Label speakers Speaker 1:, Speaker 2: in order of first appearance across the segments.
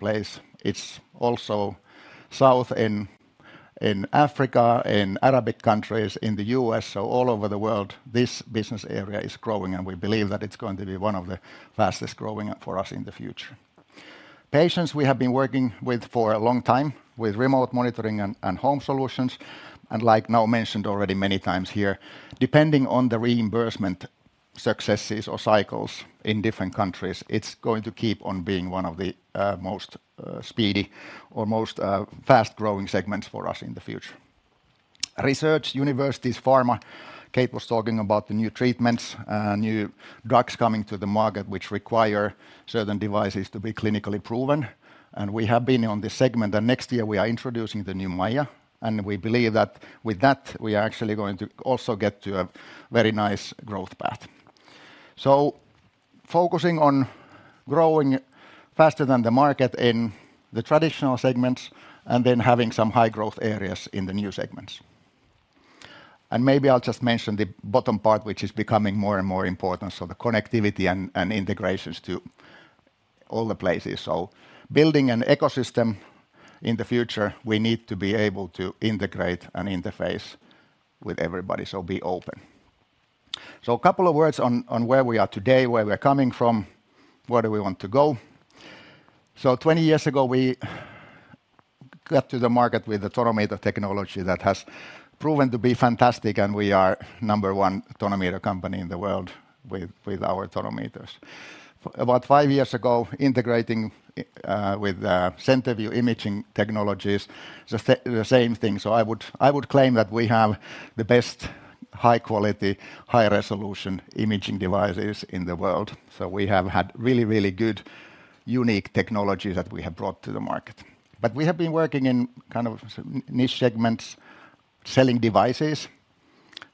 Speaker 1: place. It's also south in Africa, in Arabic countries, in the U.S., so all over the world, this business area is growing, and we believe that it's going to be one of the fastest growing for us in the future. Patients we have been working with for a long time with remote monitoring and home solutions, and like now mentioned already many times here, depending on the reimbursement successes or cycles in different countries, it's going to keep on being one of the most fast-growing segments for us in the future. Research, universities, pharma. Kate was talking about the new treatments and new drugs coming to the market, which require certain devices to be clinically proven, and we have been on this segment, and next year we are introducing the new M, and we believe that with that, we are actually going to also get to a very nice growth path. So focusing on growing faster than the market in the traditional segments, and then having some high growth areas in the new segments. Maybe I'll just mention the bottom part, which is becoming more and more important, so the connectivity and integrations to all the places. So building an ecosystem in the future, we need to be able to integrate and interface with everybody, so be open. A couple of words on where we are today, where we're coming from, where do we want to go. So 20 years ago, we got to the market with the tonometer technology that has proven to be fantastic, and we are number one tonometer company in the world with our tonometers. About five years ago, integrating with CenterVue imaging technologies, the same thing. So I would claim that we have the best high quality, high resolution imaging devices in the world. So we have had really, really good, unique technology that we have brought to the market. But we have been working in kind of niche segments, selling devices,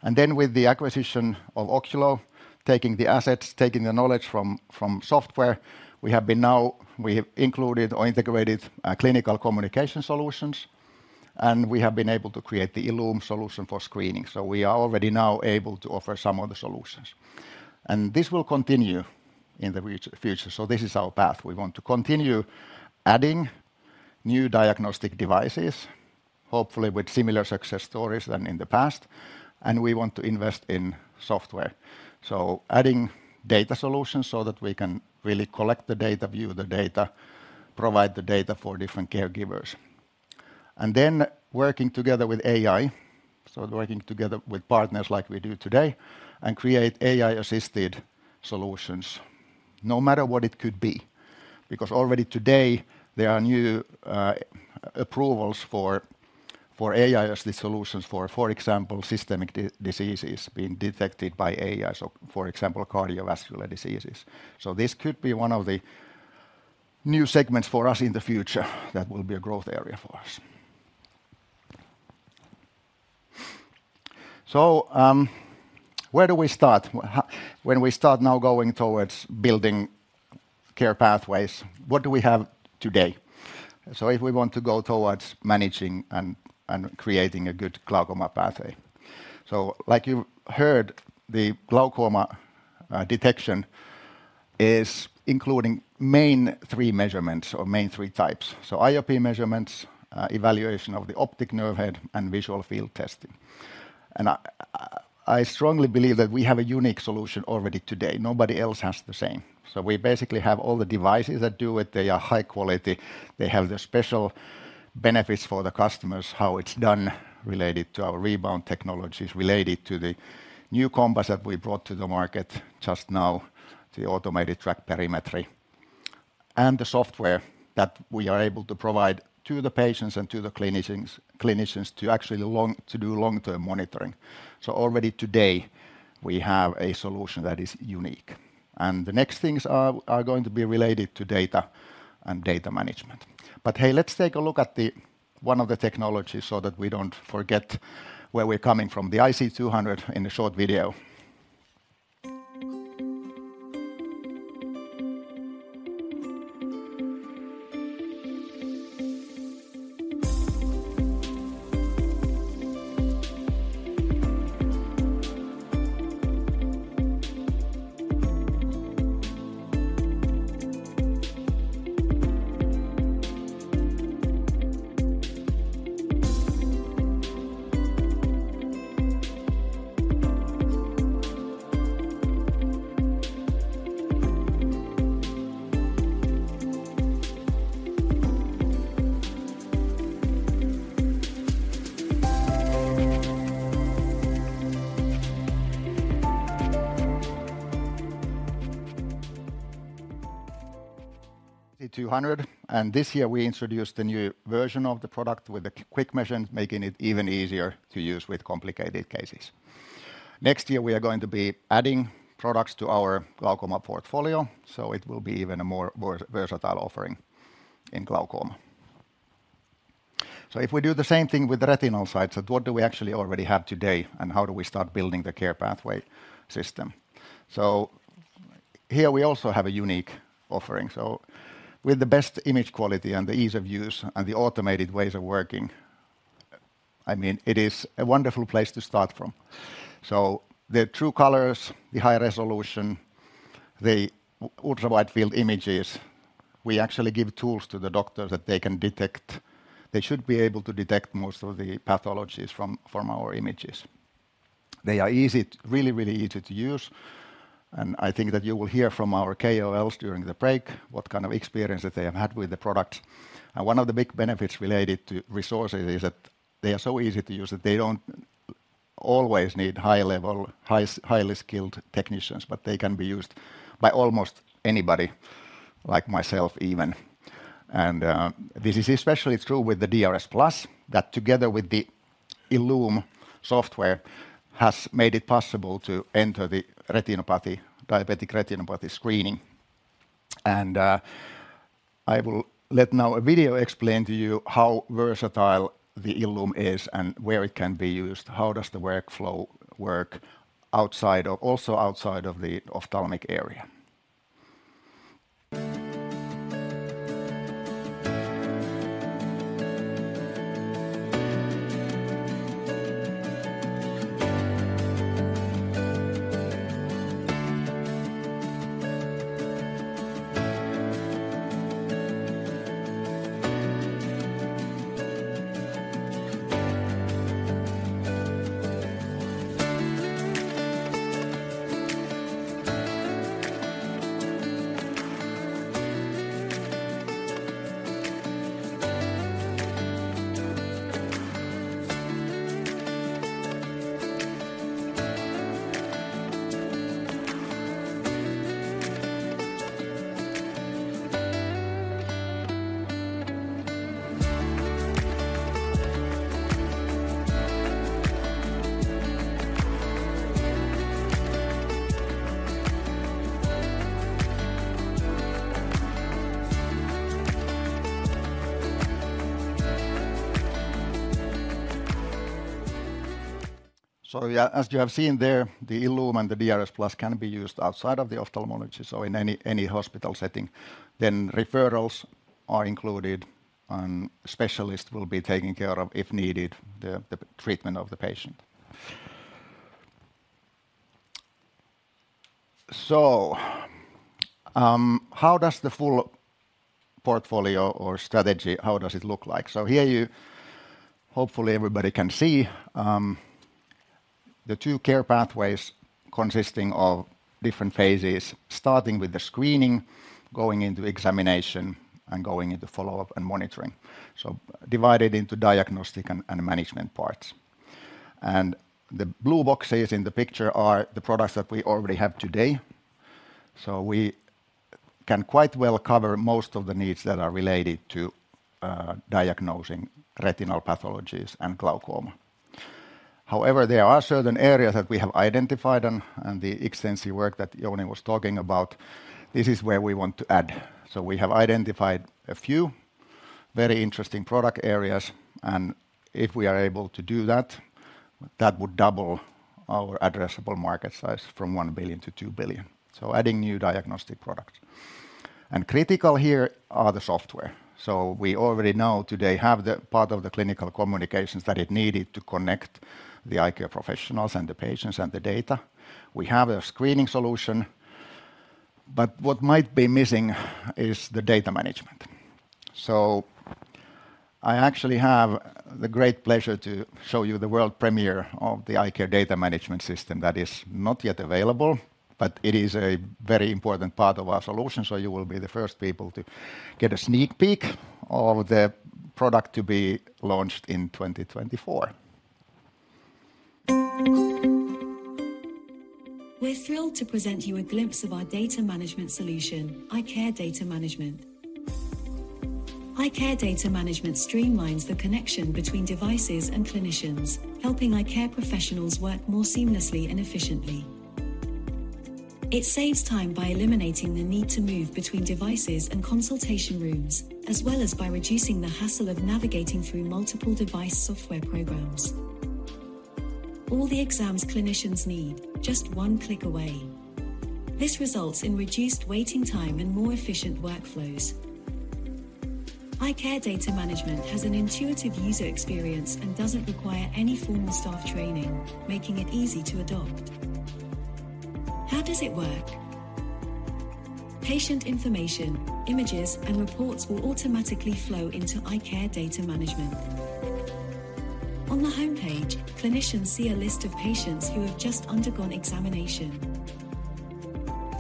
Speaker 1: and then with the acquisition of Oculo, taking the assets, taking the knowledge from software, we have now included or integrated clinical communication solutions, and we have been able to create the ILLUME solution for screening. So we are already now able to offer some of the solutions. And this will continue in the future, so this is our path. We want to continue adding new diagnostic devices, hopefully with similar success stories than in the past, and we want to invest in software. So adding data solutions so that we can really collect the data, view the data, provide the data for different caregivers. And then working together with AI, so working together with partners like we do today, and create AI-assisted solutions, no matter what it could be. Because already today, there are new approvals for AI as the solutions for, for example, systemic diseases being detected by AI, so for example, cardiovascular diseases. So this could be one of the new segments for us in the future that will be a growth area for us. So, where do we start? When we start now going towards building care pathways, what do we have today? So if we want to go towards managing and creating a good glaucoma pathway. So like you heard, the glaucoma detection is including main three measurements or main three types. So IOP measurements, evaluation of the optic nerve head, and visual field testing. And I strongly believe that we have a unique solution already today. Nobody else has the same. So we basically have all the devices that do it. They are high quality, they have the special benefits for the customers, how it's done, related to our rebound technologies, related to the new COMPASS that we brought to the market just now, the automated track perimetry, and the software that we are able to provide to the patients and to the clinicians to actually to do long-term monitoring. So already today, we have a solution that is unique, and the next things are going to be related to data and data management. But, hey, let's take a look at one of the technologies so that we don't forget where we're coming from, the IC200 in a short video. 200, and this year we introduced the new version of the product with a quick measure, making it even easier to use with complicated cases. Next year, we are going to be adding products to our glaucoma portfolio, so it will be even a more versatile offering in glaucoma. So if we do the same thing with the retinal sides, what do we actually already have today, and how do we start building the care pathway system? So here we also have a unique offering. So with the best image quality and the ease of use and the automated ways of working. I mean, it is a wonderful place to start from. So the TrueColors, the high resolution, the ultra-wide field images, we actually give tools to the doctor that they can detect. They should be able to detect most of the pathologies from our images. They are easy, really, really easy to use, and I think that you will hear from our KOLs during the break what kind of experience that they have had with the product. One of the big benefits related to resources is that they are so easy to use, that they don't always need high-level, highly skilled technicians, but they can be used by almost anybody, like myself even. This is especially true with the DRSplus, that together with the ILLUME software, has made it possible to enter the retinopathy, diabetic retinopathy screening. I will let now a video explain to you how versatile the ILLUME is and where it can be used. How does the workflow work outside of also outside of the ophthalmic area? So yeah, as you have seen there, the ILLUME and the DRSplus can be used outside of ophthalmology, so in any hospital setting. Then referrals are included, and specialists will be taking care of, if needed, the treatment of the patient. So, how does the full portfolio or strategy, how does it look like? So here you hopefully, everybody can see, the two care pathways consisting of different phases, starting with the screening, going into examination, and going into follow-up and monitoring. So divided into diagnostic and management parts. And the blue boxes in the picture are the products that we already have today. So we can quite well cover most of the needs that are related to diagnosing retinal pathologies and glaucoma. However, there are certain areas that we have identified and the extensive work that Jouni was talking about; this is where we want to add. So we have identified a few very interesting product areas, and if we are able to do that, that would double our addressable market size from 1 billion to 2 billion. So adding new diagnostic products. And critical here are the software. So we already know today have the part of the clinical communications that it needed to connect the eye care professionals and the patients and the data. We have a screening solution, but what might be missing is the data management. So I actually have the great pleasure to show you the world premiere of the iCare Data Management System, that is not yet available, but it is a very important part of our solution. You will be the first people to get a sneak peek of the product to be launched in 2024.
Speaker 2: We're thrilled to present you a glimpse of our data management solution, iCare Data Management. iCare Data Management streamlines the connection between devices and clinicians, helping eye care professionals work more seamlessly and efficiently. It saves time by eliminating the need to move between devices and consultation rooms, as well as by reducing the hassle of navigating through multiple device software programs. All the exams clinicians need, just one click away. This results in reduced waiting time and more efficient workflows. iCare Data Management has an intuitive user experience and doesn't require any formal staff training, making it easy to adopt. How does it work? Patient information, images, and reports will automatically flow into iCare Data Management. On the homepage, clinicians see a list of patients who have just undergone examination.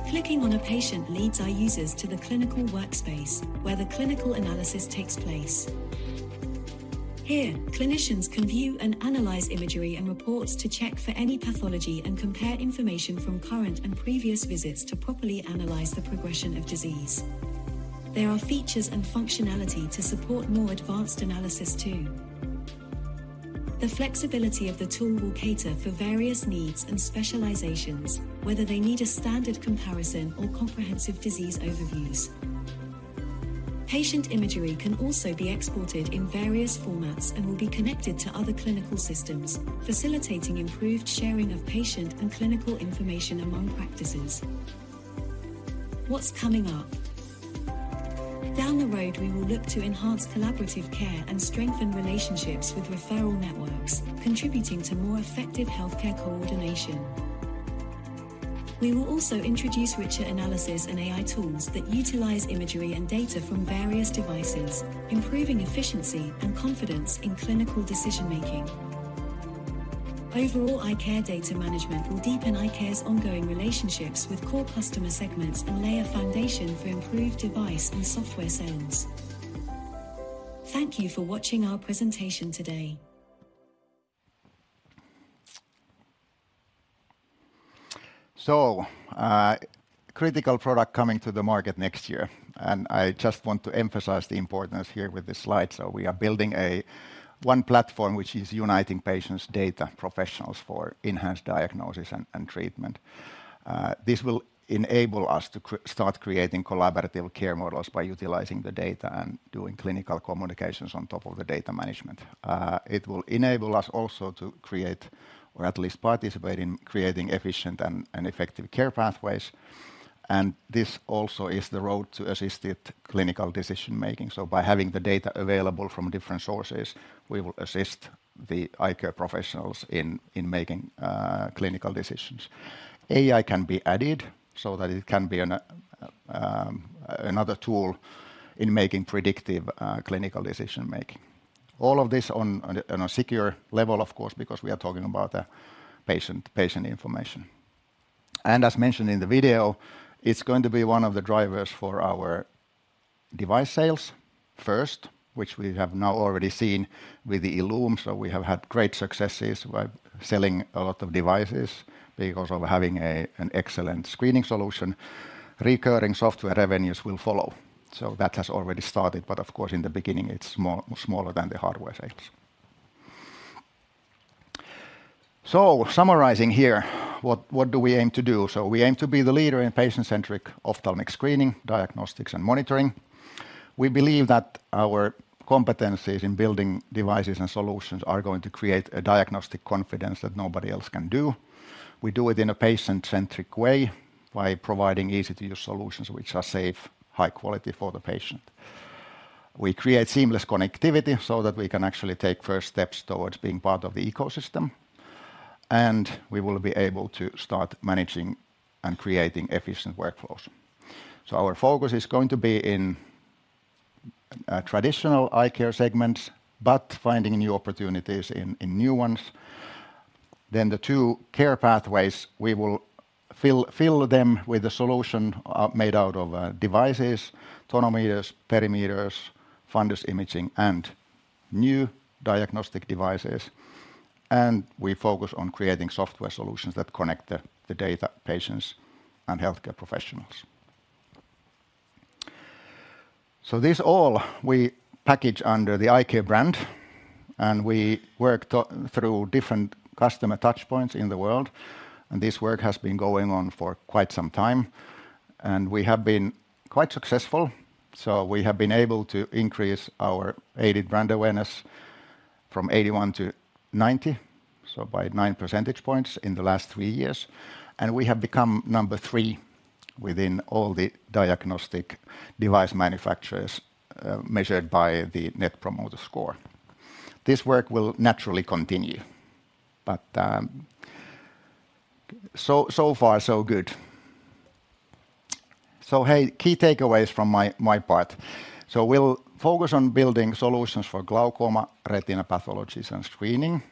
Speaker 2: Clicking on a patient leads our users to the clinical workspace, where the clinical analysis takes place. Here, clinicians can view and analyze imagery and reports to check for any pathology and compare information from current and previous visits to properly analyze the progression of disease. There are features and functionality to support more advanced analysis, too. The flexibility of the tool will cater for various needs and specializations, whether they need a standard comparison or comprehensive disease overviews. Patient imagery can also be exported in various formats and will be connected to other clinical systems, facilitating improved sharing of patient and clinical information among practices. What's coming up? Down the road, we will look to enhance collaborative care and strengthen relationships with referral networks, contributing to more effective healthcare coordination. We will also introduce richer analysis and AI tools that utilize imagery and data from various devices, improving efficiency and confidence in clinical decision-making. Overall, iCare Data Management will deepen eye care's ongoing relationships with core customer segments and lay a foundation for improved device and software sales. Thank you for watching our presentation today.
Speaker 1: Critical product coming to the market next year, and I just want to emphasize the importance here with this slide. So we are building a one platform, which is uniting patients' data professionals for enhanced diagnosis and treatment. This will enable us to start creating collaborative care models by utilizing the data and doing clinical communications on top of the data management. It will enable us also to create or at least participate in creating efficient and effective care pathways. And this also is the road to assisted clinical decision making. So by having the data available from different sources, we will assist the eye care professionals in making clinical decisions. AI can be added so that it can be another tool in making predictive clinical decision making. All of this on a secure level, of course, because we are talking about patient information. And as mentioned in the video, it's going to be one of the drivers for our device sales first, which we have now already seen with the ILLUME. So we have had great successes by selling a lot of devices because of having an excellent screening solution. Recurring software revenues will follow. So that has already started, but of course, in the beginning, it's small, smaller than the hardware sales. So summarizing here, what do we aim to do? So we aim to be the leader in patient-centric ophthalmic screening, diagnostics, and monitoring. We believe that our competencies in building devices and solutions are going to create a diagnostic confidence that nobody else can do. We do it in a patient-centric way by providing easy-to-use solutions, which are safe, high quality for the patient. We create seamless connectivity so that we can actually take first steps towards being part of the ecosystem, and we will be able to start managing and creating efficient workflows. So our focus is going to be in traditional eye care segments, but finding new opportunities in new ones. Then the two care pathways, we will fill them with a solution made out of devices, tonometers, perimeters, fundus imaging, and new diagnostic devices. And we focus on creating software solutions that connect the data patients and healthcare professionals. So this all we package under the iCare brand, and we work through different customer touchpoints in the world, and this work has been going on for quite some time, and we have been quite successful. So we have been able to increase our aided brand awareness from 81 to 90, so by 9 percentage points in the last three years, and we have become number three within all the diagnostic device manufacturers, measured by the Net Promoter Score. This work will naturally continue, but so far, so good. So, hey, key takeaways from my part. So we'll focus on building solutions for glaucoma, retina pathologies, and screening.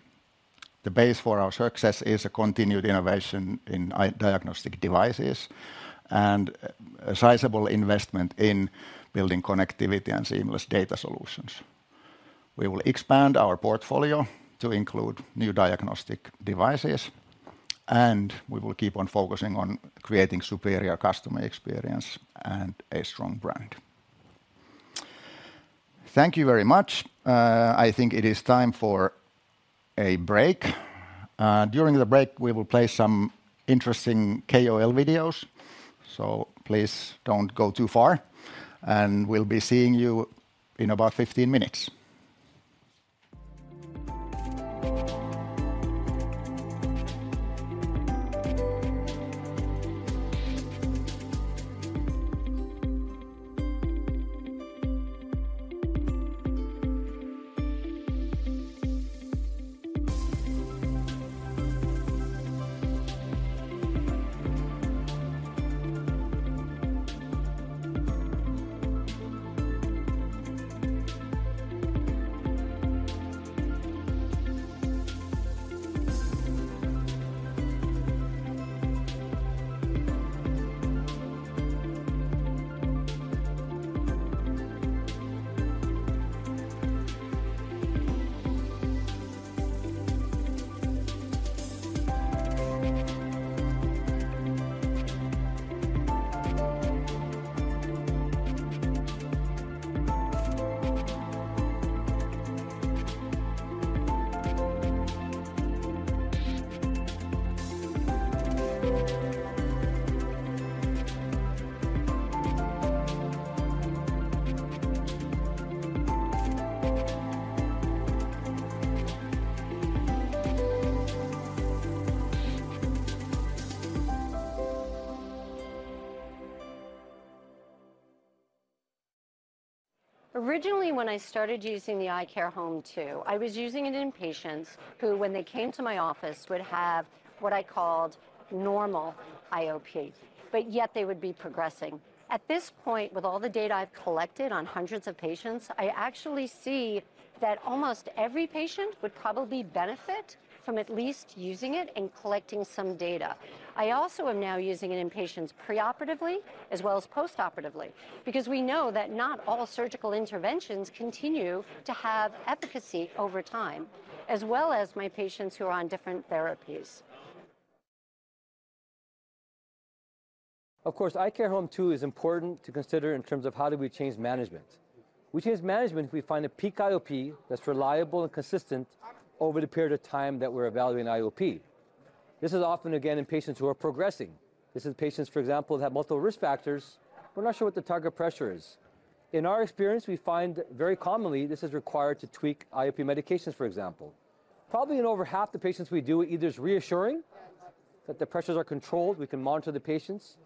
Speaker 1: The base for our success is a continued innovation in eye diagnostic devices and a sizable investment in building connectivity and seamless data solutions.
Speaker 3: We will expand our portfolio to include new diagnostic devices, and we will keep on focusing on creating superior customer experience and a strong brand. Thank you very much. I think it is time for a break. During the break, we will play some interesting KOL videos, so please don't go too far, and we'll be seeing you in about 15 minutes.
Speaker 2: Originally, when I started using the iCare HOME2, I was using it in patients who, when they came to my office, would have what I called normal IOP, but yet they would be progressing. At this point, with all the data I've collected on hundreds of patients, I actually see that almost every patient would probably benefit from at least using it and collecting some data. I also am now using it in patients preoperatively as well as postoperatively, because we know that not all surgical interventions continue to have efficacy over time, as well as my patients who are on different therapies. Of course, iCare HOME2 is important to consider in terms of how do we change management. We change management if we find a peak IOP that's reliable and consistent over the period of time that we're evaluating IOP. This is often, again, in patients who are progressing. This is patients, for example, that have multiple risk factors, we're not sure what the target pressure is. In our experience, we find very commonly this is required to tweak IOP medications, for example. Probably in over half the patients we do, it either is reassuring that the pressures are controlled, we can monitor the patients,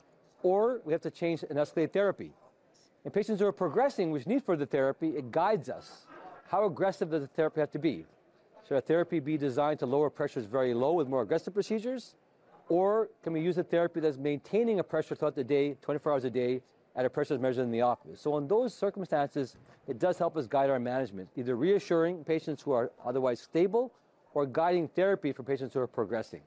Speaker 2: or we have to change and escalate therapy. In patients who are progressing, which need further therapy, it guides us. How aggressive does the therapy have to be? Should our therapy be designed to lower pressures very low with more aggressive procedures? Or can we use a therapy that's maintaining a pressure throughout the day, 24 hours a day, at a pressure that's measured in the office? So in those circumstances, it does help us guide our management, either reassuring patients who are otherwise stable or guiding therapy for patients who are progressing.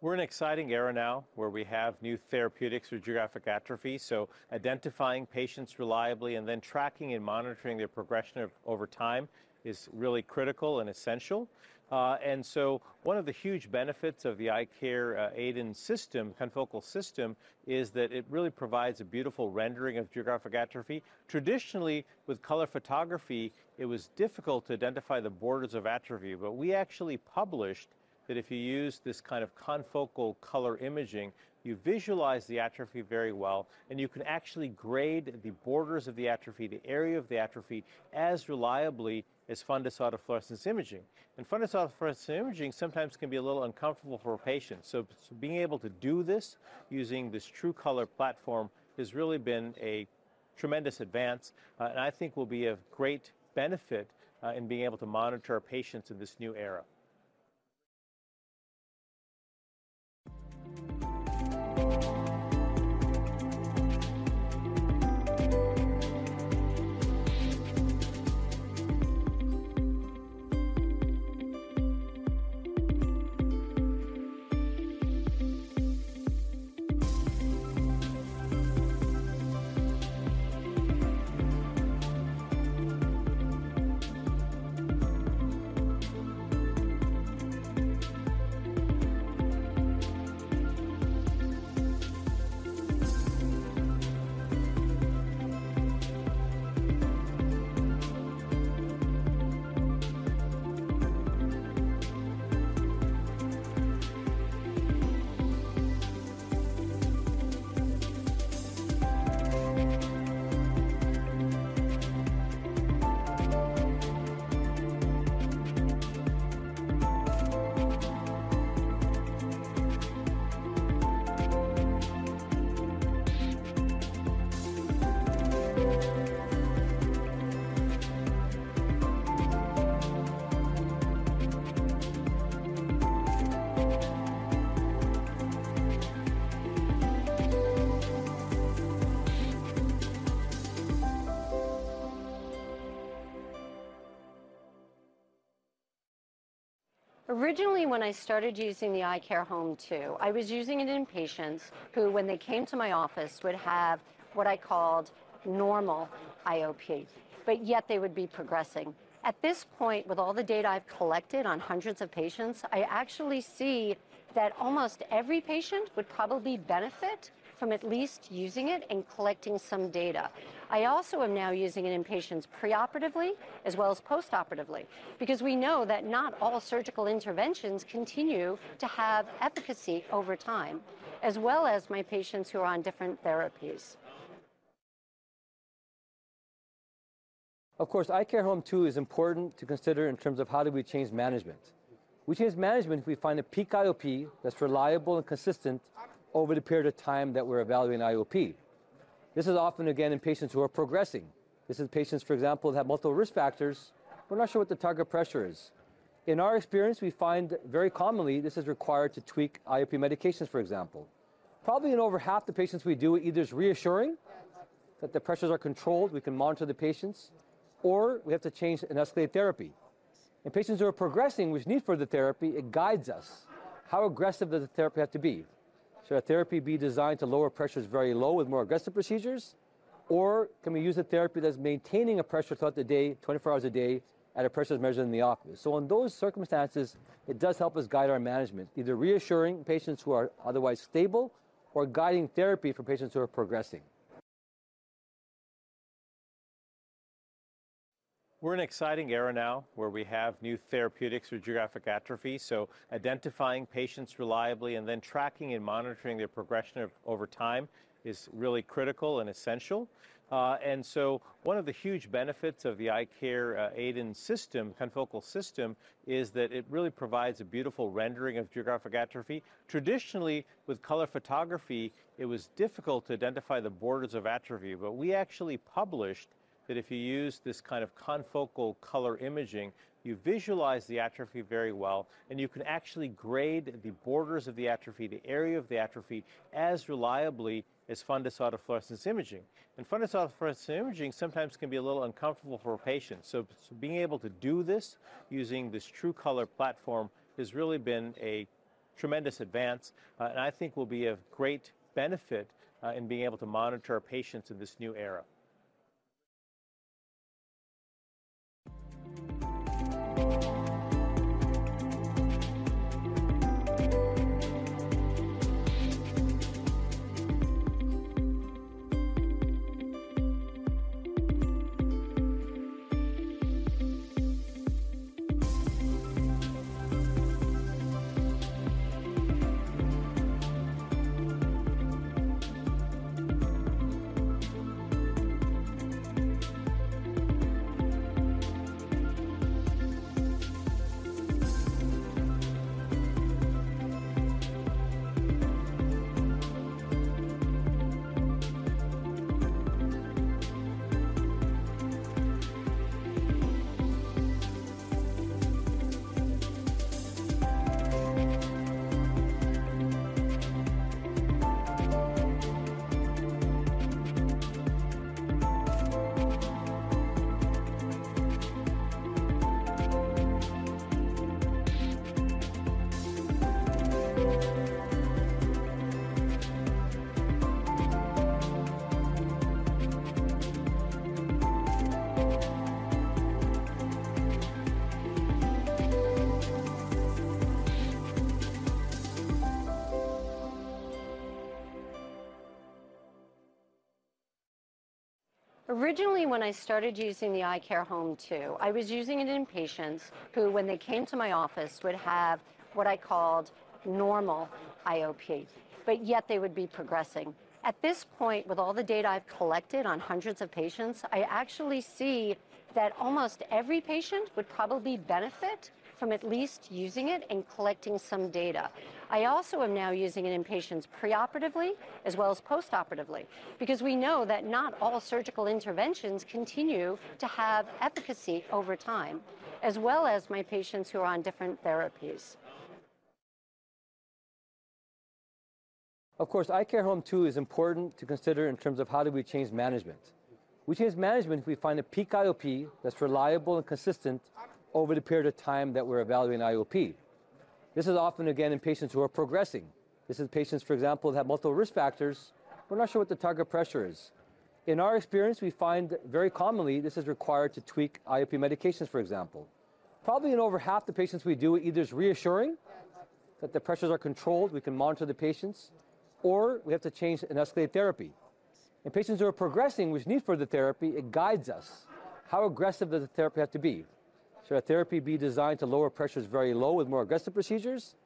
Speaker 2: We're in an exciting era now where we have new therapeutics for geographic atrophy, so identifying patients reliably and then tracking and monitoring their progression over time is really critical and essential. And so one of the huge benefits of the iCare EIDON system, confocal system, is that it really provides a beautiful rendering of geographic atrophy. Traditionally, with color photography, it was difficult to identify the borders of atrophy, but we actually published that if you use this kind of confocal color imaging, you visualize the atrophy very well, and you can actually grade the borders of the atrophy, the area of the atrophy, as reliably as fundus autofluorescence imaging. Fundus autofluorescence imaging sometimes can be a little uncomfortable for a patient, so being able to do this using this TrueColor platform has really been a tremendous advance, and I think will be of great benefit in being able to monitor our patients in this new era. Originally, when I started using the iCare HOME2, I was using it in patients who, when they came to my office, would have what I called normal IOP, but yet they would be progressing. At this point, with all the data I've collected on hundreds of patients, I actually see that almost every patient would probably benefit from at least using it and collecting some data. I also am now using it in patients preoperatively as well as postoperatively, because we know that not all surgical interventions continue to have efficacy over time, as well as my patients who are on different therapies. Of course, iCare HOME2 is important to consider in terms of how do we change management. We change management if we find a peak IOP that's reliable and consistent over the period of time that we're evaluating IOP. This is often, again, in patients who are progressing. This is patients, for example, that have multiple risk factors, we're not sure what the target pressure is. In our experience, we find very commonly this is required to tweak IOP medications, for example. Probably in over half the patients we do, it either is reassuring that the pressures are controlled, we can monitor the patients, or we have to change and escalate therapy. In patients who are progressing, which need further therapy, it guides us. How aggressive does the therapy have to be? Should our therapy be designed to lower pressures very low with more aggressive procedures, or can we use a therapy that's maintaining a pressure throughout the day, 24 hours a day, at a pressure that's measured in the office? So in those circumstances, it does help us guide our management, either reassuring patients who are otherwise stable or guiding therapy for patients who are progressing. We're in an exciting era now where we have new therapeutics for geographic atrophy, so identifying patients reliably and then tracking and monitoring their progression over time is really critical and essential. And so one of the huge benefits of the iCare EIDON system, confocal system, is that it really provides a beautiful rendering of geographic atrophy. Traditionally, with color photography, it was difficult to identify the borders of atrophy, but we actually published that if you use this kind of confocal color imaging, you visualize the atrophy very well, and you can actually grade the borders of the atrophy, the area of the atrophy, as reliably as fundus autofluorescence imaging. And fundus autofluorescence imaging sometimes can be a little uncomfortable for a patient. So, being able to do this using this TrueColor platform has really been a tremendous advance, and I think will be of great benefit in being able to monitor our patients in this new era. Originally, when I started using the iCare HOME2, I was using it in patients who, when they came to my office, would have what I called normal IOP, but yet they would be progressing. At this point, with all the data I've collected on hundreds of patients, I actually see that almost every patient would probably benefit from at least using it and collecting some data. I also am now using it in patients preoperatively as well as post-operatively, because we know that not all surgical interventions continue to have efficacy over time, as well as my patients who are on different therapies. Of course, iCare HOME2 is important to consider in terms of how do we change management. We change management if we find a peak IOP that's reliable and consistent over the period of time that we're evaluating IOP. This is often, again, in patients who are progressing. This is patients, for example, that have multiple risk factors, we're not sure what the target pressure is. In our experience, we find very commonly this is required to tweak IOP medications, for example. Probably in over half the patients we do, it either is reassuring that the pressures are controlled, we can monitor the patients, or we have to change and escalate therapy. In patients who are progressing, which need further therapy, it guides us. How aggressive does the therapy have to be? Should our therapy be designed to lower pressures very low with more aggressive procedures?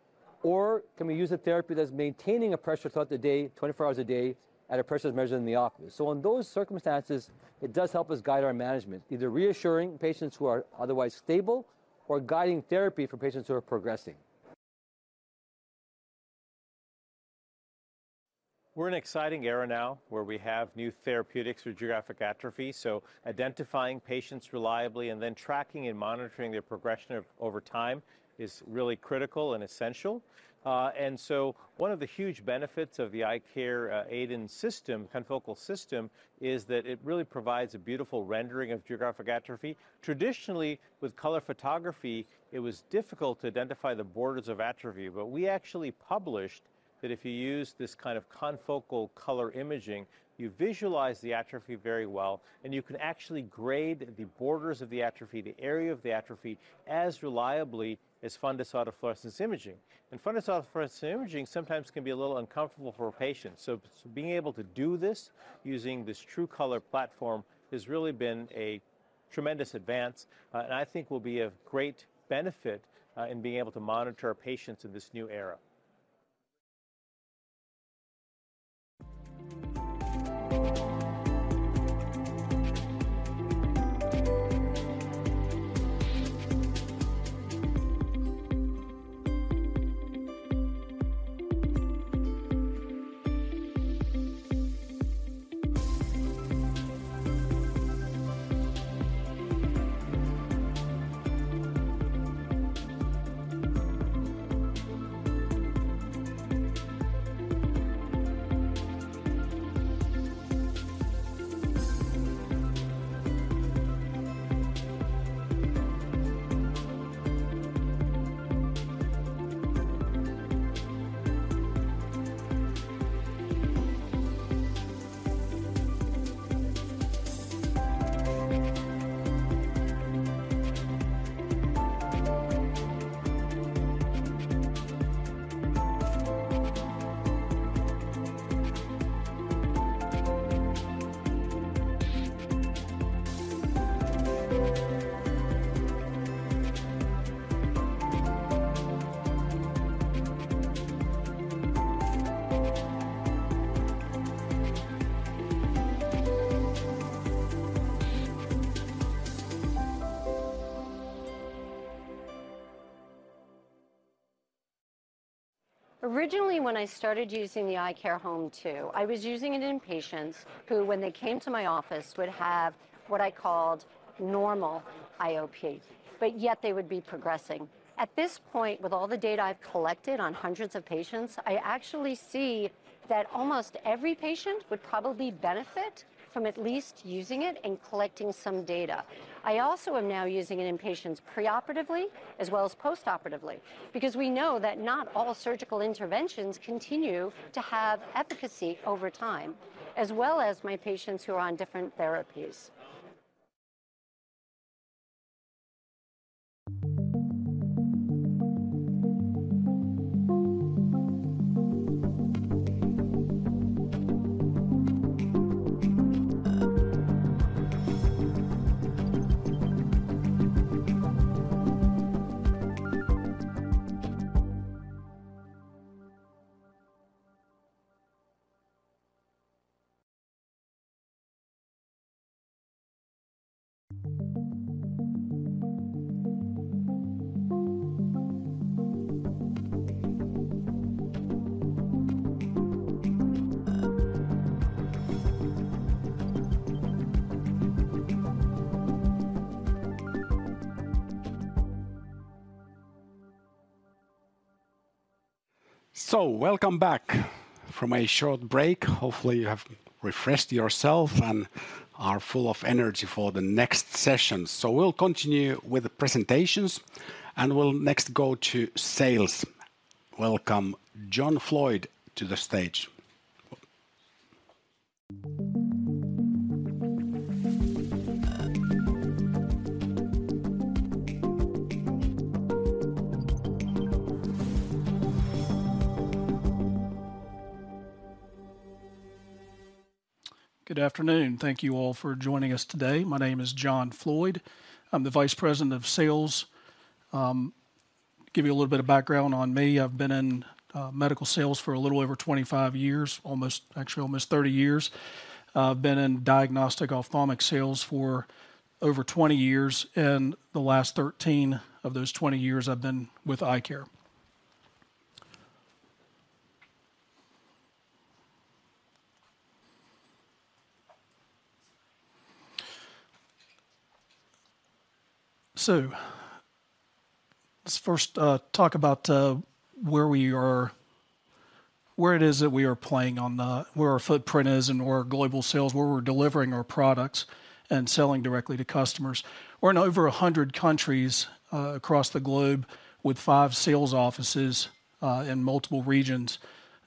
Speaker 2: Or can we use a therapy that's maintaining a pressure throughout the day, 24 hours a day, at a pressure that's measured in the office? So in those circumstances, it does help us guide our management, either reassuring patients who are otherwise stable or guiding therapy for patients who are progressing. We're in an exciting era now where we have new therapeutics for geographic atrophy, so identifying patients reliably and then tracking and monitoring their progression of, over time is really critical and essential. And so one of the huge benefits of the iCare EIDON system, confocal system, is that it really provides a beautiful rendering of geographic atrophy. Traditionally, with color photography, it was difficult to identify the borders of atrophy, but we actually published that if you use this kind of confocal color imaging, you visualize the atrophy very well, and you can actually grade the borders of the atrophy, the area of the atrophy, as reliably as fundus autofluorescence imaging. And fundus autofluorescence imaging sometimes can be a little uncomfortable for a patient. So, being able to do this using this TrueColor platform has really been a tremendous advance, and I think will be of great benefit, in being able to monitor our patients in this new era. Originally, when I started using the iCare HOME2, I was using it in patients who, when they came to my office, would have what I called normal IOP, but yet they would be progressing. At this point, with all the data I've collected on hundreds of patients, I actually see that almost every patient would probably benefit from at least using it and collecting some data. I also am now using it in patients preoperatively as well as postoperatively, because we know that not all surgical interventions continue to have efficacy over time, as well as my patients who are on different therapies.
Speaker 4: Welcome back from a short break. Hopefully, you have refreshed yourself and are full of energy for the next session. We'll continue with the presentations, and we'll next go to sales. Welcome, John Floyd, to the stage.
Speaker 5: Good afternoon. Thank you all for joining us today. My name is John Floyd. I'm the Vice President of Sales. Give you a little bit of background on me. I've been in medical sales for a little over 25 years, actually almost 30 years. I've been in diagnostic ophthalmic sales for over 20 years, and the last 13 of those 20 years I've been with iCare. So let's first talk about where we are, where it is that we are playing on the where our footprint is and where our global sales, where we're delivering our products and selling directly to customers. We're in over 100 countries across the globe, with five sales offices in multiple regions.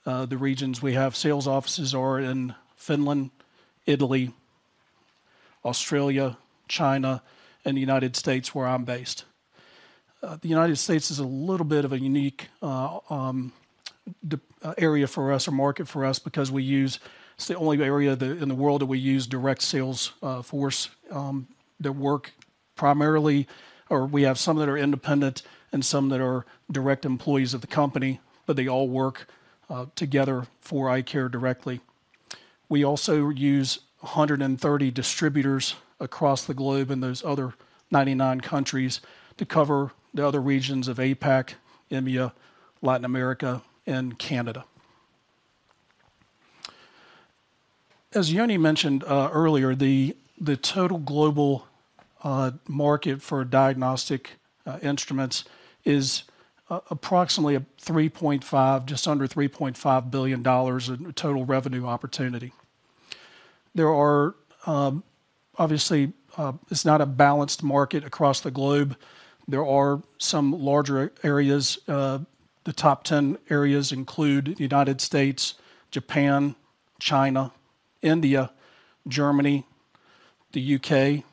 Speaker 5: The regions we have sales offices are in Finland, Italy, Australia, China, and the United States, where I'm based. The United States is a little bit of a unique area for us or market for us because we use. It's the only area that in the world that we use direct sales force that work primarily, or we have some that are independent and some that are direct employees of the company, but they all work together for iCare directly. We also use 130 distributors across the globe in those other 99 countries to cover the other regions of APAC, EMEA, Latin America, and Canada. As Jouni mentioned earlier, the total global market for diagnostic instruments is approximately $3.5 billion, just under $3.5 billion in total revenue opportunity. There are, obviously, it's not a balanced market across the globe. There are some larger areas. The top 10 areas include the United States, Japan, China, India, Germany, the U.K.,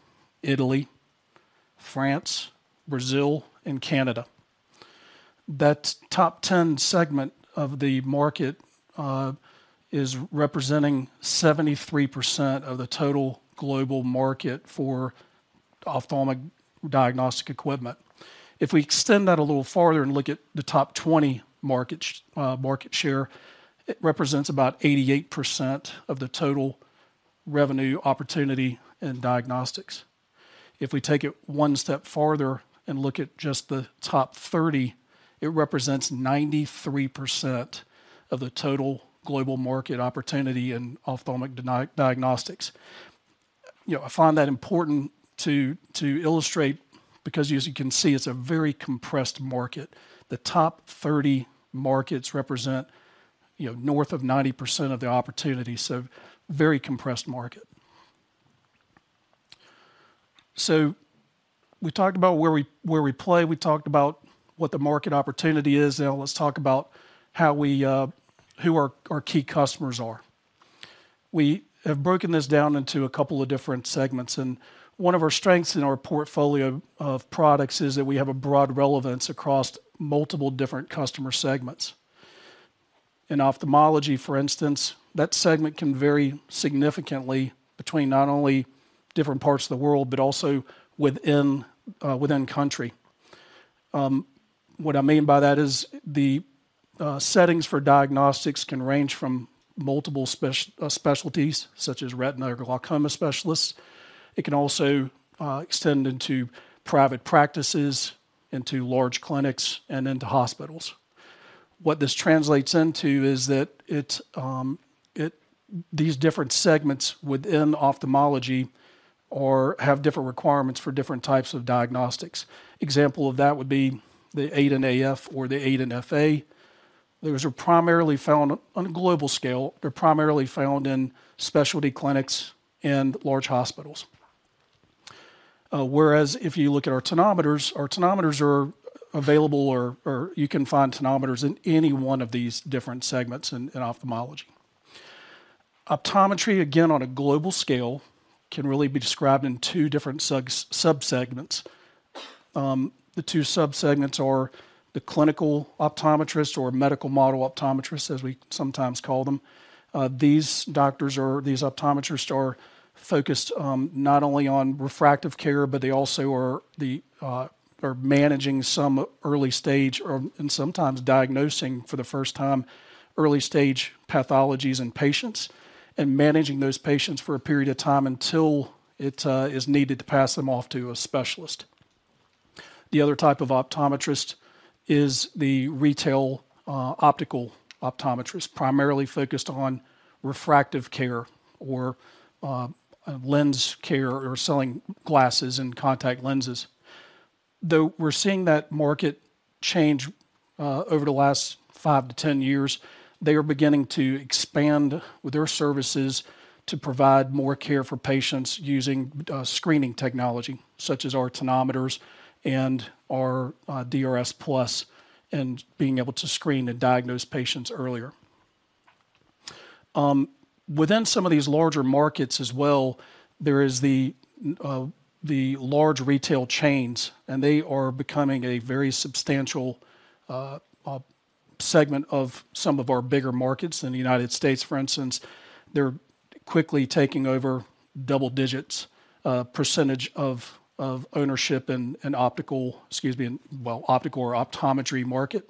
Speaker 5: Italy, France, Brazil, and Canada. That top 10 segment of the market is representing 73% of the total global market for ophthalmic diagnostic equipment. If we extend that a little farther and look at the top 20 market share, it represents about 88% of the total revenue opportunity in diagnostics. If we take it one step farther and look at just the top 30, it represents 93% of the total global market opportunity in ophthalmic diagnostics. You know, I find that important to illustrate because as you can see, it's a very compressed market. The top 30 markets represent, you know, north of 90% of the opportunity, so very compressed market. So we talked about where we play, we talked about what the market opportunity is. Now let's talk about who our key customers are. We have broken this down into a couple of different segments, and one of our strengths in our portfolio of products is that we have a broad relevance across multiple different customer segments. In ophthalmology, for instance, that segment can vary significantly between not only different parts of the world, but also within country. What I mean by that is the settings for diagnostics can range from multiple specialties, such as retina or glaucoma specialists. It can also extend into private practices, into large clinics, and into hospitals. What this translates into is that these different segments within ophthalmology have different requirements for different types of diagnostics. Example of that would be the EIDON AF or the EIDON FA. Those are primarily found on a global scale. They're primarily found in specialty clinics and large hospitals. Whereas if you look at our tonometers, our tonometers are available, or you can find tonometers in any one of these different segments in ophthalmology. Optometry, again, on a global scale, can really be described in two different subsegments. The two subsegments are the clinical optometrist or medical model optometrists, as we sometimes call them. These doctors or these optometrists are focused, not only on refractive care, but they also are managing some early stage, and sometimes diagnosing for the first time, early-stage pathologies in patients and managing those patients for a period of time until it is needed to pass them off to a specialist. The other type of optometrist is the retail optical optometrist, primarily focused on refractive care or lens care or selling glasses and contact lenses. Though we're seeing that market change over the last 5 years-10 years, they are beginning to expand with their services to provide more care for patients using screening technology, such as our tonometers and our DRSplus, and being able to screen and diagnose patients earlier. Within some of these larger markets as well, there is the large retail chains, and they are becoming a very substantial segment of some of our bigger markets. In the United States, for instance, they're quickly taking over double digits percentage of ownership and optical or optometry market.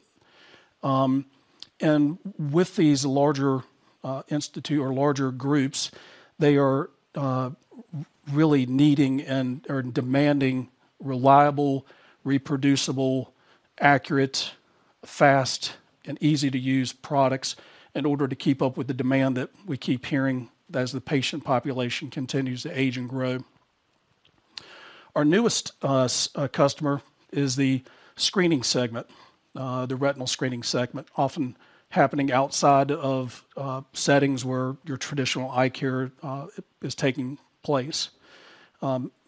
Speaker 5: With these larger institute or larger groups, they are really needing and are demanding reliable, reproducible, accurate, fast, and easy-to-use products in order to keep up with the demand that we keep hearing as the patient population continues to age and grow. Our newest customer is the screening segment, the retinal screening segment, often happening outside of settings where your traditional eye care is taking place.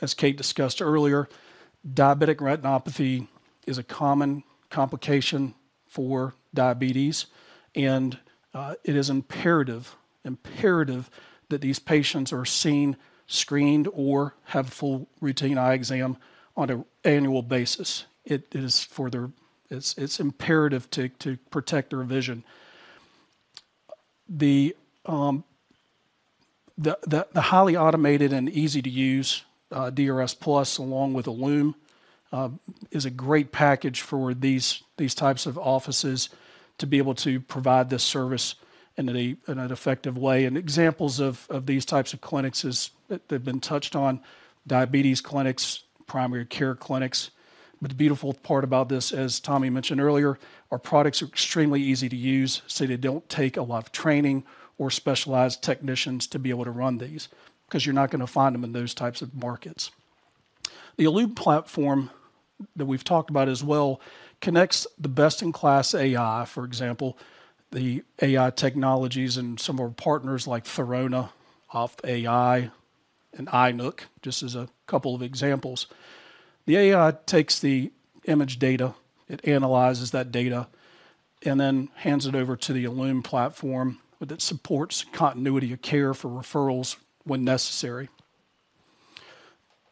Speaker 5: As Kate discussed earlier, diabetic retinopathy is a common complication for diabetes, and it is imperative, imperative that these patients are seen, screened, or have a full routine eye exam on an annual basis. It is for their. It's, it's imperative to, to protect their vision. The highly automated and easy-to-use DRSplus, along with ILLUME, is a great package for these types of offices to be able to provide this service in an effective way. Examples of these types of clinics is, they've been touched on: diabetes clinics, primary care clinics. But the beautiful part about this, as Tommy mentioned earlier, our products are extremely easy to use, so they don't take a lot of training or specialized technicians to be able to run these, 'cause you're not gonna find them in those types of markets. The ILLUME platform that we've talked about as well connects the best-in-class AI, for example, the AI technologies and some of our partners like Thirona, OphtAI, and Eyenuk, just as a couple of examples. The AI takes the image data, it analyzes that data, and then hands it over to the ILLUME platform, that supports continuity of care for referrals when necessary.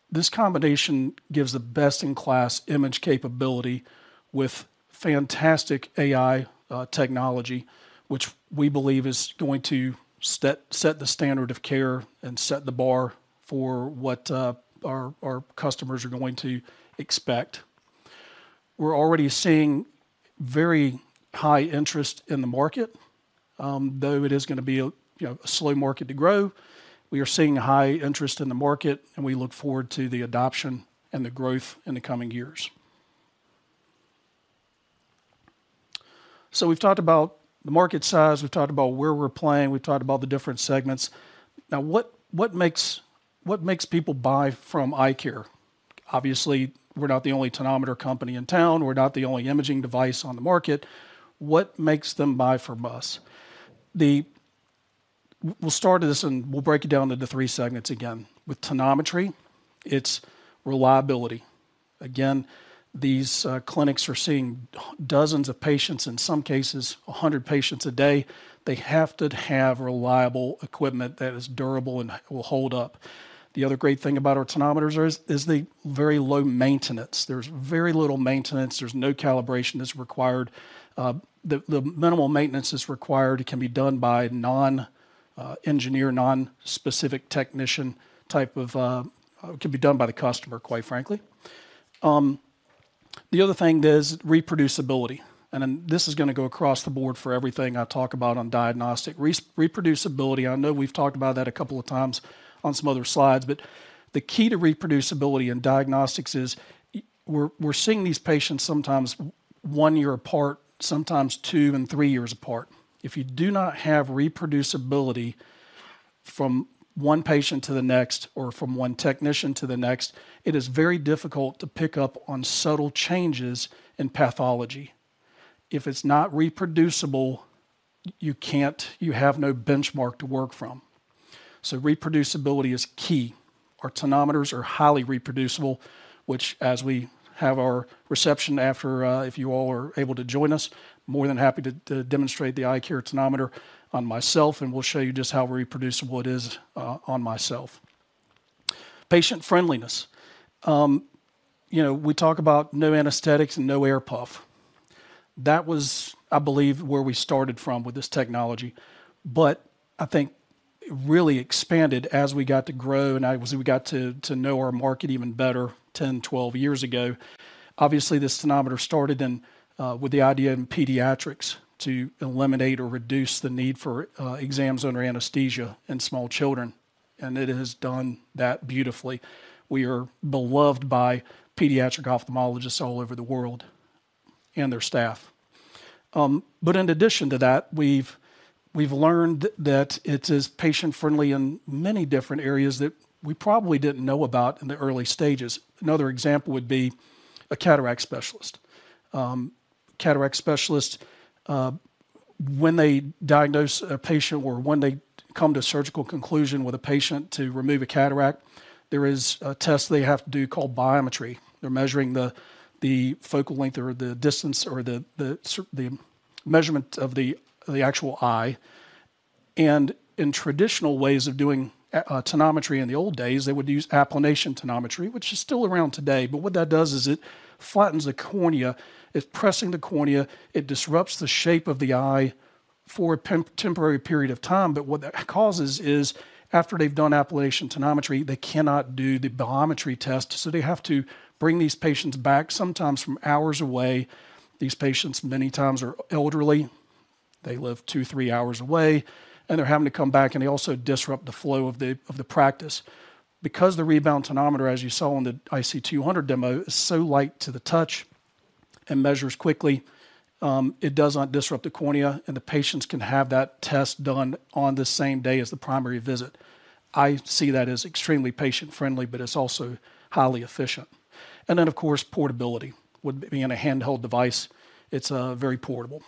Speaker 5: This combination gives the best-in-class image capability with fantastic AI technology, which we believe is going to set the standard of care and set the bar for what our customers are going to expect. We're already seeing very high interest in the market. Though it is gonna be a, you know, slow market to grow, we are seeing high interest in the market, and we look forward to the adoption and the growth in the coming years. So we've talked about the market size, we've talked about where we're playing, we've talked about the different segments. Now, what makes people buy from iCare? Obviously, we're not the only tonometer company in town. We're not the only imaging device on the market. What makes them buy from us? We'll start this, and we'll break it down into three segments again. With tonometry, it's reliability. Again, these clinics are seeing dozens of patients, in some cases, 100 patients a day. They have to have reliable equipment that is durable and will hold up. The other great thing about our tonometers is the very low maintenance. There's very little maintenance. There's no calibration that's required. The minimal maintenance that's required can be done by non-engineer, non-specific technician type of. It can be done by the customer, quite frankly. The other thing is reproducibility, and then this is gonna go across the board for everything I talk about on diagnostic. Reproducibility, I know we've talked about that a couple of times on some other slides, but the key to reproducibility in diagnostics is we're seeing these patients sometimes one year apart, sometimes two and three years apart. If you do not have reproducibility from one patient to the next or from one technician to the next, it is very difficult to pick up on subtle changes in pathology. If it's not reproducible, you can't you have no benchmark to work from, so reproducibility is key. Our tonometers are highly reproducible, which, as we have our reception after, if you all are able to join us, more than happy to demonstrate the iCare tonometer on myself, and we'll show you just how reproducible it is, on myself. Patient friendliness. You know, we talk about no anesthetics and no air puff. That was, I believe, where we started from with this technology, but I think it really expanded as we got to grow, and obviously, we got to know our market even better 10 years, 12 years ago. Obviously, this tonometer started with the idea in pediatrics to eliminate or reduce the need for exams under anesthesia in small children, and it has done that beautifully. We are beloved by pediatric ophthalmologists all over the world and their staff. But in addition to that, we've learned that it is patient-friendly in many different areas that we probably didn't know about in the early stages. Another example would be a cataract specialist. Cataract specialists, when they diagnose a patient or when they come to surgical conclusion with a patient to remove a cataract, there is a test they have to do called biometry. They're measuring the focal length or the distance or the measurement of the actual eye. In traditional ways of doing tonometry in the old days, they would use applanation tonometry, which is still around today. But what that does is it flattens the cornea. It's pressing the cornea. It disrupts the shape of the eye for a temporary period of time, but what that causes is, after they've done applanation tonometry, they cannot do the biometry test, so they have to bring these patients back, sometimes from hours away. These patients many times are elderly. They live two hours, three hours away, and they're having to come back, and they also disrupt the flow of the practice. Because the rebound tonometer, as you saw on the IC200 demo, is so light to the touch and measures quickly, it does not disrupt the cornea, and the patients can have that test done on the same day as the primary visit. I see that as extremely patient-friendly, but it's also highly efficient. And then, of course, portability. With being a handheld device, it's very portable.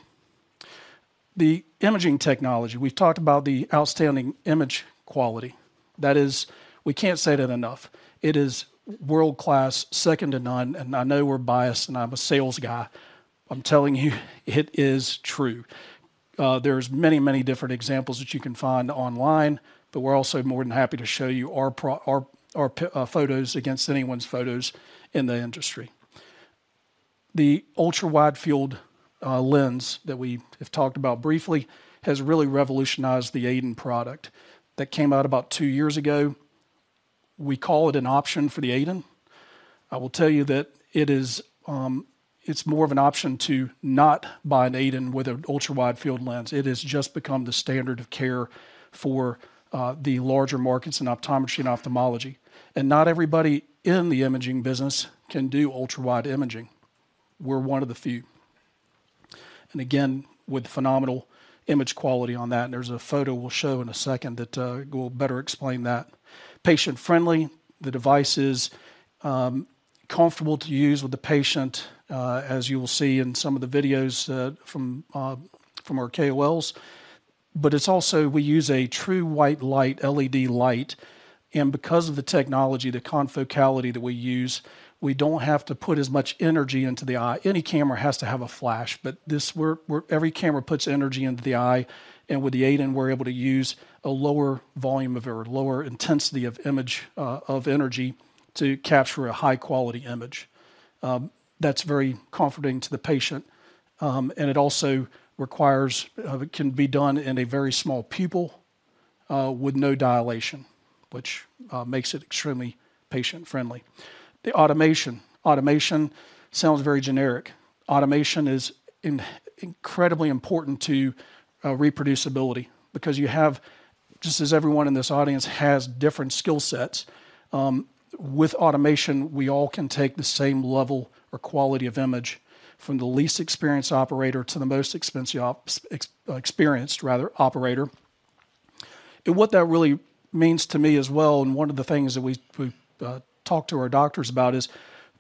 Speaker 5: The imaging technology. We've talked about the outstanding image quality. That is. We can't say that enough. It is world-class, second to none, and I know we're biased, and I'm a sales guy. I'm telling you it is true. There's many, many different examples that you can find online, but we're also more than happy to show you our photos against anyone's photos in the industry. The ultra-wide-field lens that we have talked about briefly has really revolutionized the EIDON product. That came out about two years ago. We call it an option for the EIDON. I will tell you that it is, it's more of an option to not buy an EIDON with an ultra-wide-field lens. It has just become the standard of care for the larger markets in optometry and ophthalmology, and not everybody in the imaging business can do ultra-wide imaging. We're one of the few. And again, with phenomenal image quality on that, and there's a photo we'll show in a second that will better explain that. Patient-friendly, the device is comfortable to use with the patient, as you will see in some of the videos from our KOLs. But it's also, we use a true white light, LED light, and because of the technology, the confocality that we use, we don't have to put as much energy into the eye. Any camera has to have a flash, but this—every camera puts energy into the eye, and with the EIDON, we're able to use a lower volume of or a lower intensity of image, of energy, to capture a high-quality image. That's very comforting to the patient, and it also requires, it can be done in a very small pupil, with no dilation, which makes it extremely patient-friendly. The automation. Automation sounds very generic. Automation is incredibly important to reproducibility because you have, just as everyone in this audience has different skill sets, with automation, we all can take the same level or quality of image from the least experienced operator to the most experienced operator. And what that really means to me as well, and one of the things that we talk to our doctors about, is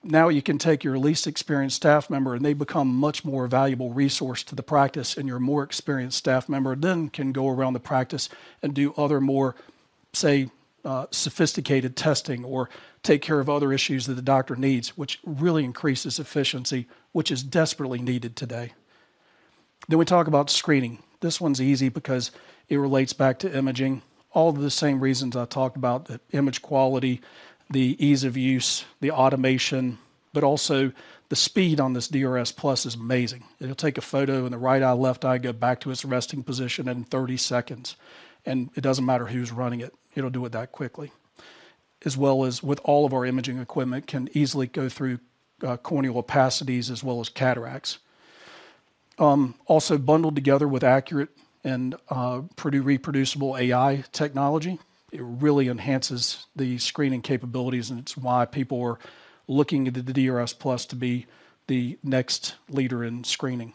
Speaker 5: now you can take your least experienced staff member, and they become much more valuable resource to the practice, and your more experienced staff member then can go around the practice and do other more sophisticated testing or take care of other issues that the doctor needs, which really increases efficiency, which is desperately needed today. Then we talk about screening. This one's easy because it relates back to imaging. All of the same reasons I talked about, the image quality, the ease of use, the automation, but also the speed on this DRSplus is amazing. It'll take a photo in the right eye, left eye, go back to its resting position in 30 seconds, and it doesn't matter who's running it, it'll do it that quickly. As well as with all of our imaging equipment, can easily go through, corneal opacities as well as cataracts. Also bundled together with accurate and, pretty reproducible AI technology, it really enhances the screening capabilities, and it's why people are looking at the DRSplus to be the next leader in screening.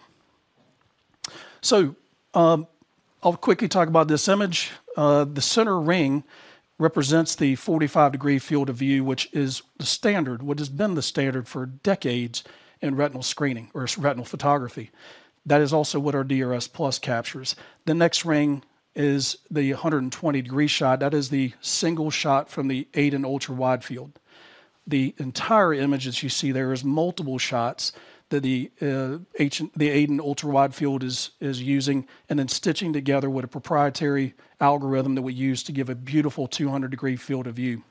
Speaker 5: So, I'll quickly talk about this image. The center ring represents the 45-degree field of view, which is the standard, what has been the standard for decades in retinal screening or retinal photography. That is also what our DRSplus captures. The next ring is the 120-degree shot. That is the single shot from the EIDON ultra-wide field. The entire image that you see there is multiple shots that the EIDON and ultra-wide field is using and then stitching together with a proprietary algorithm that we use to give a beautiful 200-degree field of view.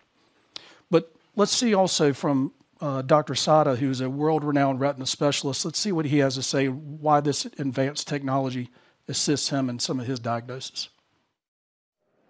Speaker 5: But let's see also from Dr. Sadda, who's a world-renowned retina specialist. Let's see what he has to say why this advanced technology assists him in some of his diagnosis.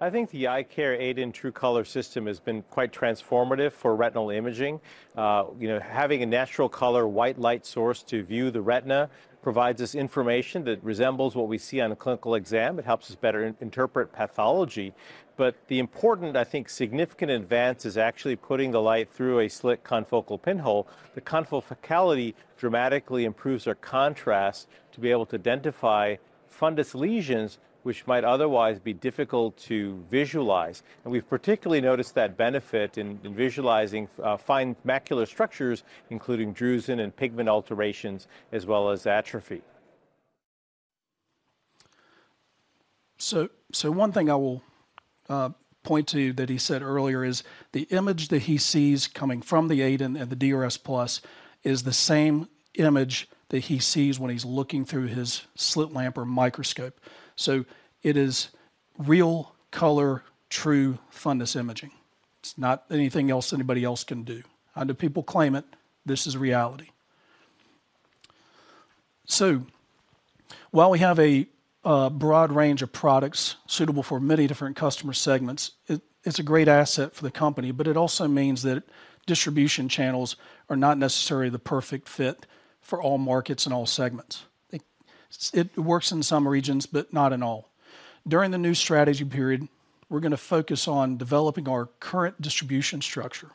Speaker 2: I think the iCare EIDON TrueColor system has been quite transformative for retinal imaging. You know, having a natural color, white light source to view the retina provides us information that resembles what we see on a clinical exam. It helps us better interpret pathology. But the important, I think, significant advance is actually putting the light through a slit confocal pinhole. The confocal focality dramatically improves our contrast to be able to identify fundus lesions, which might otherwise be difficult to visualize. And we've particularly noticed that benefit in visualizing fine macular structures, including drusen and pigment alterations, as well as atrophy.
Speaker 5: So, one thing I will point to that he said earlier is the image that he sees coming from the EIDON the DRSplus is the same image that he sees when he's looking through his slit lamp or microscope. So it is real color, true fundus imaging. It's not anything else anybody else can do. I know people claim it, this is reality. So while we have a broad range of products suitable for many different customer segments, it's a great asset for the company, but it also means that distribution channels are not necessarily the perfect fit for all markets and all segments. It works in some regions, but not in all. During the new strategy period, we're gonna focus on developing our current distribution structure.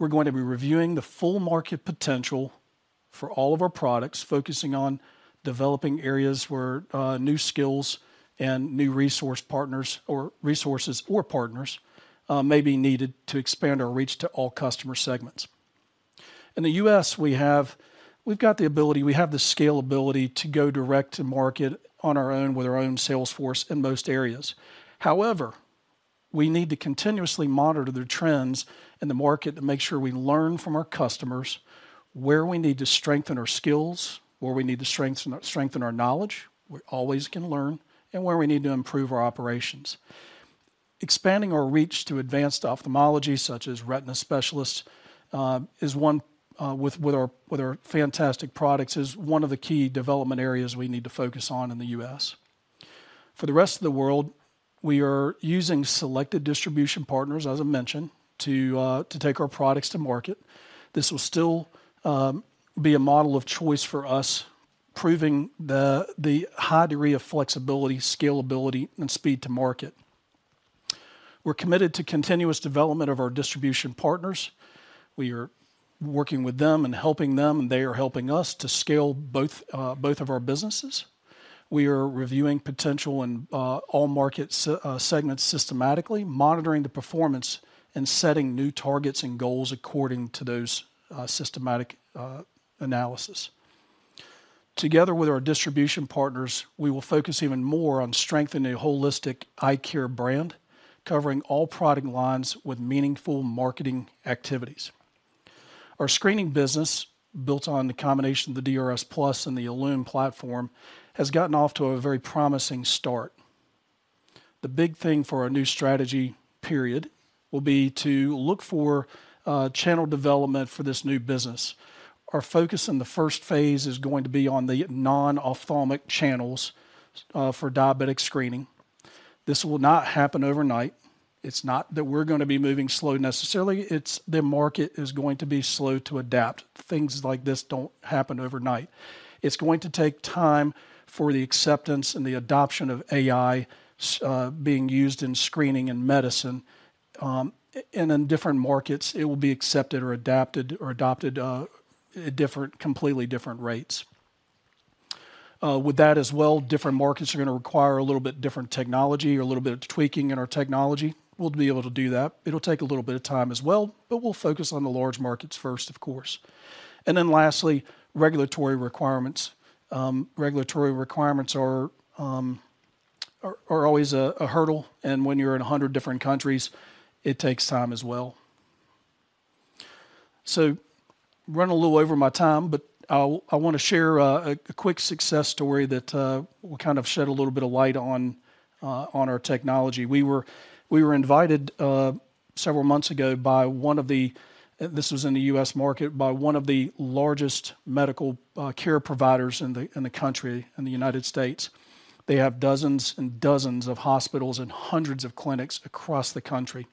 Speaker 5: We're going to be reviewing the full market potential for all of our products, focusing on developing areas where new skills and new resource partners or resources or partners may be needed to expand our reach to all customer segments. In the U.S., we have. We've got the ability, we have the scalability to go direct to market on our own with our own sales force in most areas. However, we need to continuously monitor the trends in the market to make sure we learn from our customers, where we need to strengthen our skills, where we need to strengthen our, strengthen our knowledge, we always can learn, and where we need to improve our operations. Expanding our reach to advanced ophthalmology, such as retina specialists, is one with our fantastic products, is one of the key development areas we need to focus on in the U.S. For the rest of the world, we are using selected distribution partners, as I mentioned, to take our products to market. This will still be a model of choice for us, proving the high degree of flexibility, scalability, and speed to market. We're committed to continuous development of our distribution partners. We are working with them and helping them, and they are helping us to scale both of our businesses. We are reviewing potential and all market segments systematically, monitoring the performance, and setting new targets and goals according to those systematic analysis. Together with our distribution partners, we will focus even more on strengthening a holistic iCare brand, covering all product lines with meaningful marketing activities. Our screening business, built on the combination of the DRSplus and the ILLUME platform, has gotten off to a very promising start. The big thing for our new strategy period will be to look for channel development for this new business. Our focus in the first phase is going to be on the non-ophthalmic channels for diabetic screening. This will not happen overnight. It's not that we're gonna be moving slow necessarily, it's the market is going to be slow to adapt. Things like this don't happen overnight. It's going to take time for the acceptance and the adoption of AI being used in screening and medicine. And in different markets, it will be accepted or adapted, or adopted, at different, completely different rates. With that as well, different markets are gonna require a little bit different technology or a little bit of tweaking in our technology. We'll be able to do that. It'll take a little bit of time as well, but we'll focus on the large markets first, of course. And then lastly, regulatory requirements. Regulatory requirements are always a hurdle, and when you're in 100 different countries, it takes time as well. So running a little over my time, but I wanna share a quick success story that will kind of shed a little bit of light on our technology. We were invited several months ago by one of the—this was in the U.S. market—by one of the largest medical care providers in the country, in the United States. They have dozens and dozens of hospitals and hundreds of clinics across the country.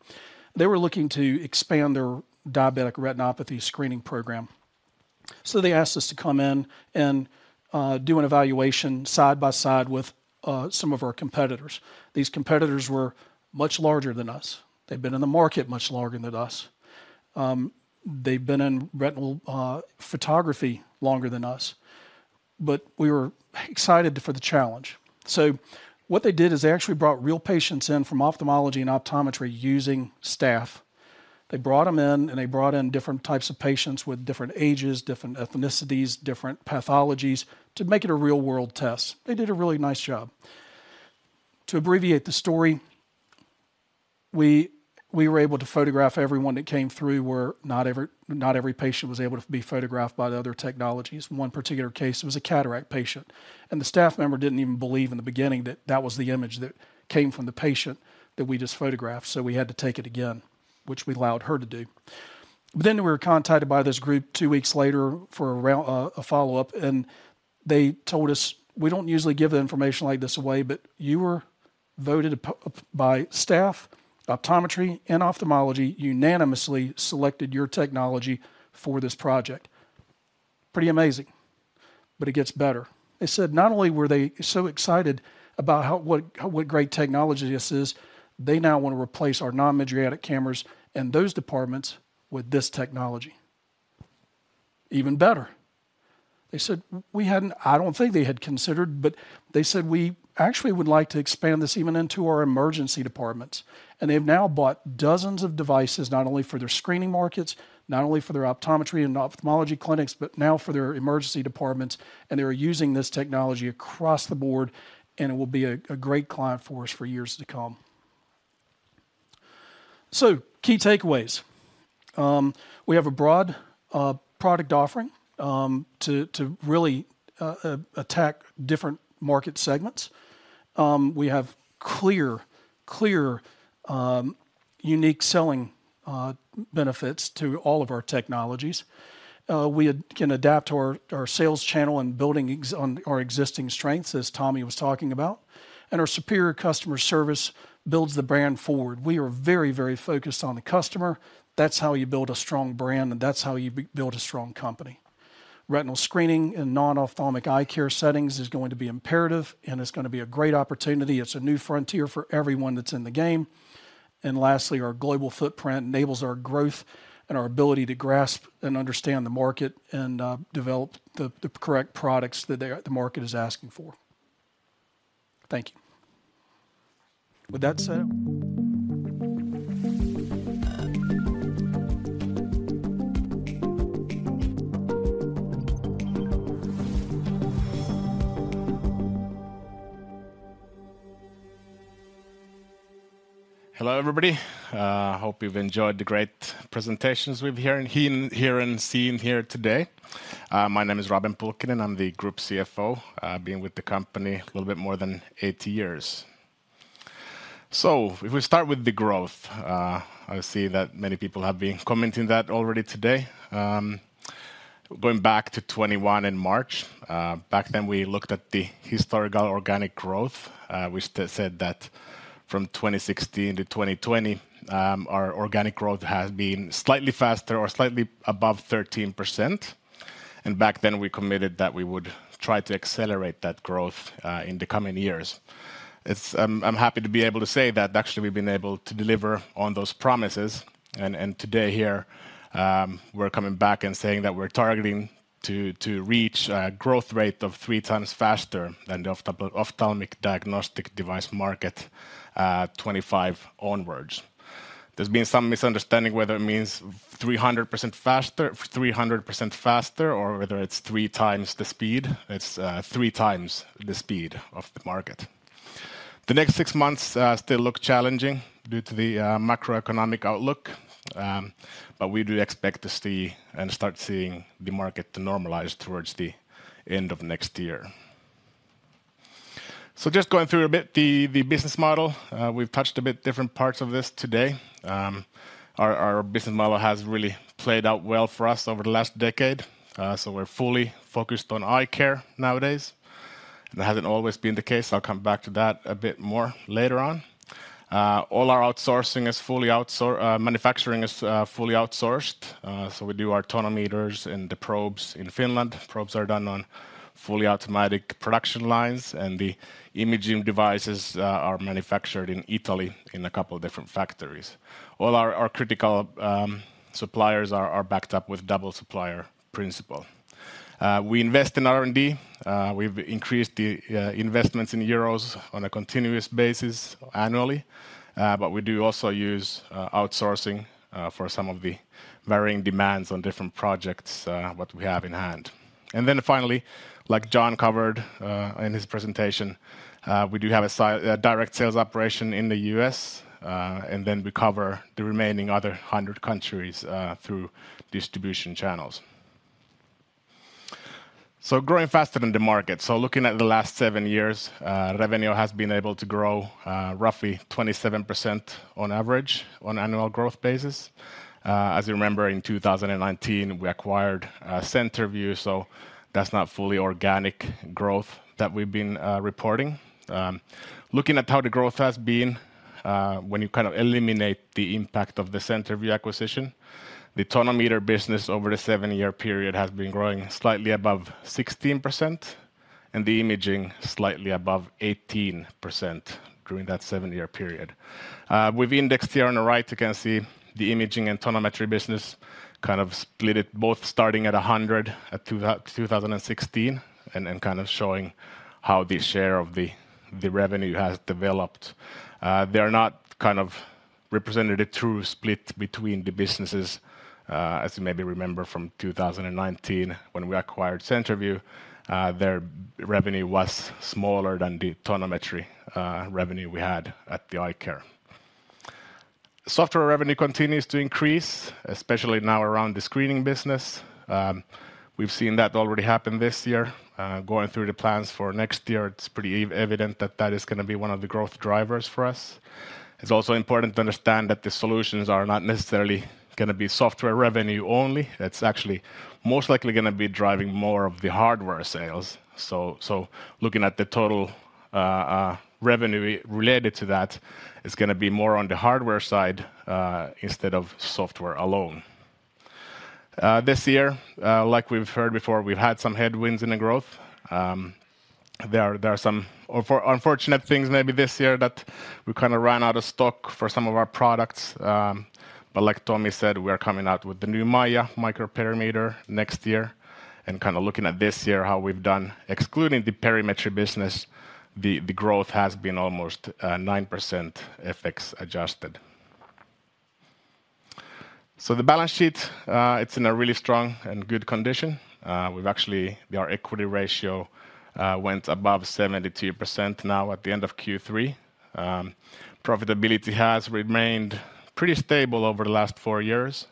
Speaker 5: They were looking to expand their diabetic retinopathy screening program. So they asked us to come in and do an evaluation side by side with some of our competitors. These competitors were much larger than us. They've been in the market much longer than us. They've been in retinal photography longer than us, but we were excited for the challenge. So what they did is they actually brought real patients in from ophthalmology and optometry using staff. They brought them in, and they brought in different types of patients with different ages, different ethnicities, different pathologies, to make it a real-world test. They did a really nice job. To abbreviate the story, we were able to photograph everyone that came through, where not every patient was able to be photographed by the other technologies. In one particular case, it was a cataract patient, and the staff member didn't even believe in the beginning that that was the image that came from the patient that we just photographed, so we had to take it again, which we allowed her to do. But then we were contacted by this group two weeks later for a round, a follow-up, and they told us, "We don't usually give the information like this away, but you were voted p- by staff. Optometry and ophthalmology unanimously selected your technology for this project." Pretty amazing, but it gets better. They said not only were they so excited about how, what great technology this is, they now want to replace our non-mydriatic cameras in those departments with this technology. Even better. They said, "We hadn't." I don't think they had considered, but they said, "We actually would like to expand this even into our emergency departments." And they've now bought dozens of devices, not only for their screening markets, not only for their optometry and ophthalmology clinics, but now for their emergency departments, and they are using this technology across the board, and it will be a great client for us for years to come. So key takeaways. We have a broad product offering to really attack different market segments. We have clear unique selling benefits to all of our technologies. We can adapt our sales channel and building on our existing strengths, as Tomi was talking about. Our superior customer service builds the brand forward. We are very, very focused on the customer. That's how you build a strong brand, and that's how you build a strong company. Retinal screening in non-ophthalmic eye care settings is going to be imperative, and it's gonna be a great opportunity. It's a new frontier for everyone that's in the game. Lastly, our global footprint enables our growth and our ability to grasp and understand the market and develop the correct products that the market is asking for. Thank you. With that said.
Speaker 6: Hello, everybody. Hope you've enjoyed the great presentations we've been hearing here and seeing here today. My name is Robin Pulkkinen. I'm the Group CFO. I've been with the company a little bit more than eight years. So if we start with the growth, I see that many people have been commenting that already today. Going back to 2021 in March, back then, we looked at the historical organic growth, which said that from 2016 to 2020, our organic growth has been slightly faster or slightly above 13%. And back then, we committed that we would try to accelerate that growth, in the coming years. It's. I'm happy to be able to say that actually, we've been able to deliver on those promises, and today here, we're coming back and saying that we're targeting to reach a growth rate of three times faster than the ophthalmic diagnostic device market, 2025 onwards. There's been some misunderstanding whether it means 300% faster, 300% faster, or whether it's three times the speed. It's three times the speed of the market. The next six months still look challenging due to the macroeconomic outlook, but we do expect to see and start seeing the market to normalize towards the end of next year. So just going through a bit, the business model. We've touched a bit different parts of this today. Our business model has really played out well for us over the last decade. So we're fully focused on eye care nowadays. It hasn't always been the case. I'll come back to that a bit more later on. All our manufacturing is fully outsourced. So we do our tonometers and the probes in Finland. Probes are done on fully automatic production lines, and the imaging devices are manufactured in Italy in a couple of different factories. All our critical suppliers are backed up with double supplier principle. We invest in R&D. We've increased the investments in euros on a continuous basis annually, but we do also use outsourcing for some of the varying demands on different projects what we have in hand. Then finally, like John covered in his presentation, we do have a direct sales operation in the U.S., and then we cover the remaining other 100 countries through distribution channels. So growing faster than the market. So looking at the last seven years, revenue has been able to grow roughly 27% on average on annual growth basis. As you remember, in 2019, we acquired CenterVue, so that's not fully organic growth that we've been reporting. Looking at how the growth has been, when you kind of eliminate the impact of the CenterVue acquisition, the tonometer business over the seven-year period has been growing slightly above 16%, and the imaging slightly above 18% during that seven-year period. We've indexed here on the right, you can see the imaging and tonometry business kind of split it, both starting at 100 at 2016, and then kind of showing how the share of the revenue has developed. They are not kind of represented a true split between the businesses. As you maybe remember from 2019, when we acquired CenterVue, their revenue was smaller than the tonometry revenue we had at iCare. Software revenue continues to increase, especially now around the screening business. We've seen that already happen this year. Going through the plans for next year, it's pretty evident that that is gonna be one of the growth drivers for us. It's also important to understand that the solutions are not necessarily gonna be software revenue only. It's actually most likely gonna be driving more of the hardware sales. So looking at the total revenue related to that, it's gonna be more on the hardware side instead of software alone. This year, like we've heard before, we've had some headwinds in the growth. There are some unfortunate things maybe this year that we kinda ran out of stock for some of our products, but like Tommy said, we are coming out with the new MAIA microperimeter next year. And kinda looking at this year, how we've done, excluding the perimetry business, the growth has been almost 9% FX adjusted. So the balance sheet, it's in a really strong and good condition. We've actually, our equity ratio went above 72% now at the end of Q3. Profitability has remained pretty stable over the last four years,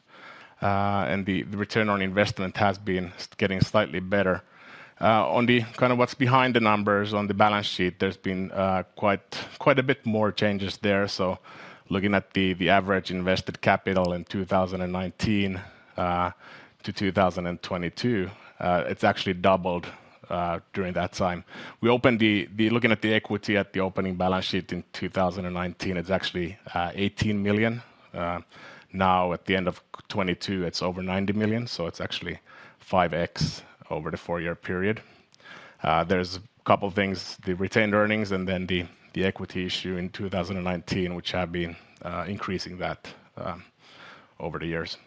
Speaker 6: and the return on investment has been getting slightly better. On the kind of what's behind the numbers on the balance sheet, there's been quite a bit more changes there. So looking at the average invested capital in 2019 to 2022, it's actually doubled during that time. Looking at the equity at the opening balance sheet in 2019, it's actually 18 million. Now, at the end of 2022, it's over 90 million, so it's actually 5x over the four-year period. There's a couple of things, the retained earnings and then the equity issue in 2019, which have been increasing that over the years.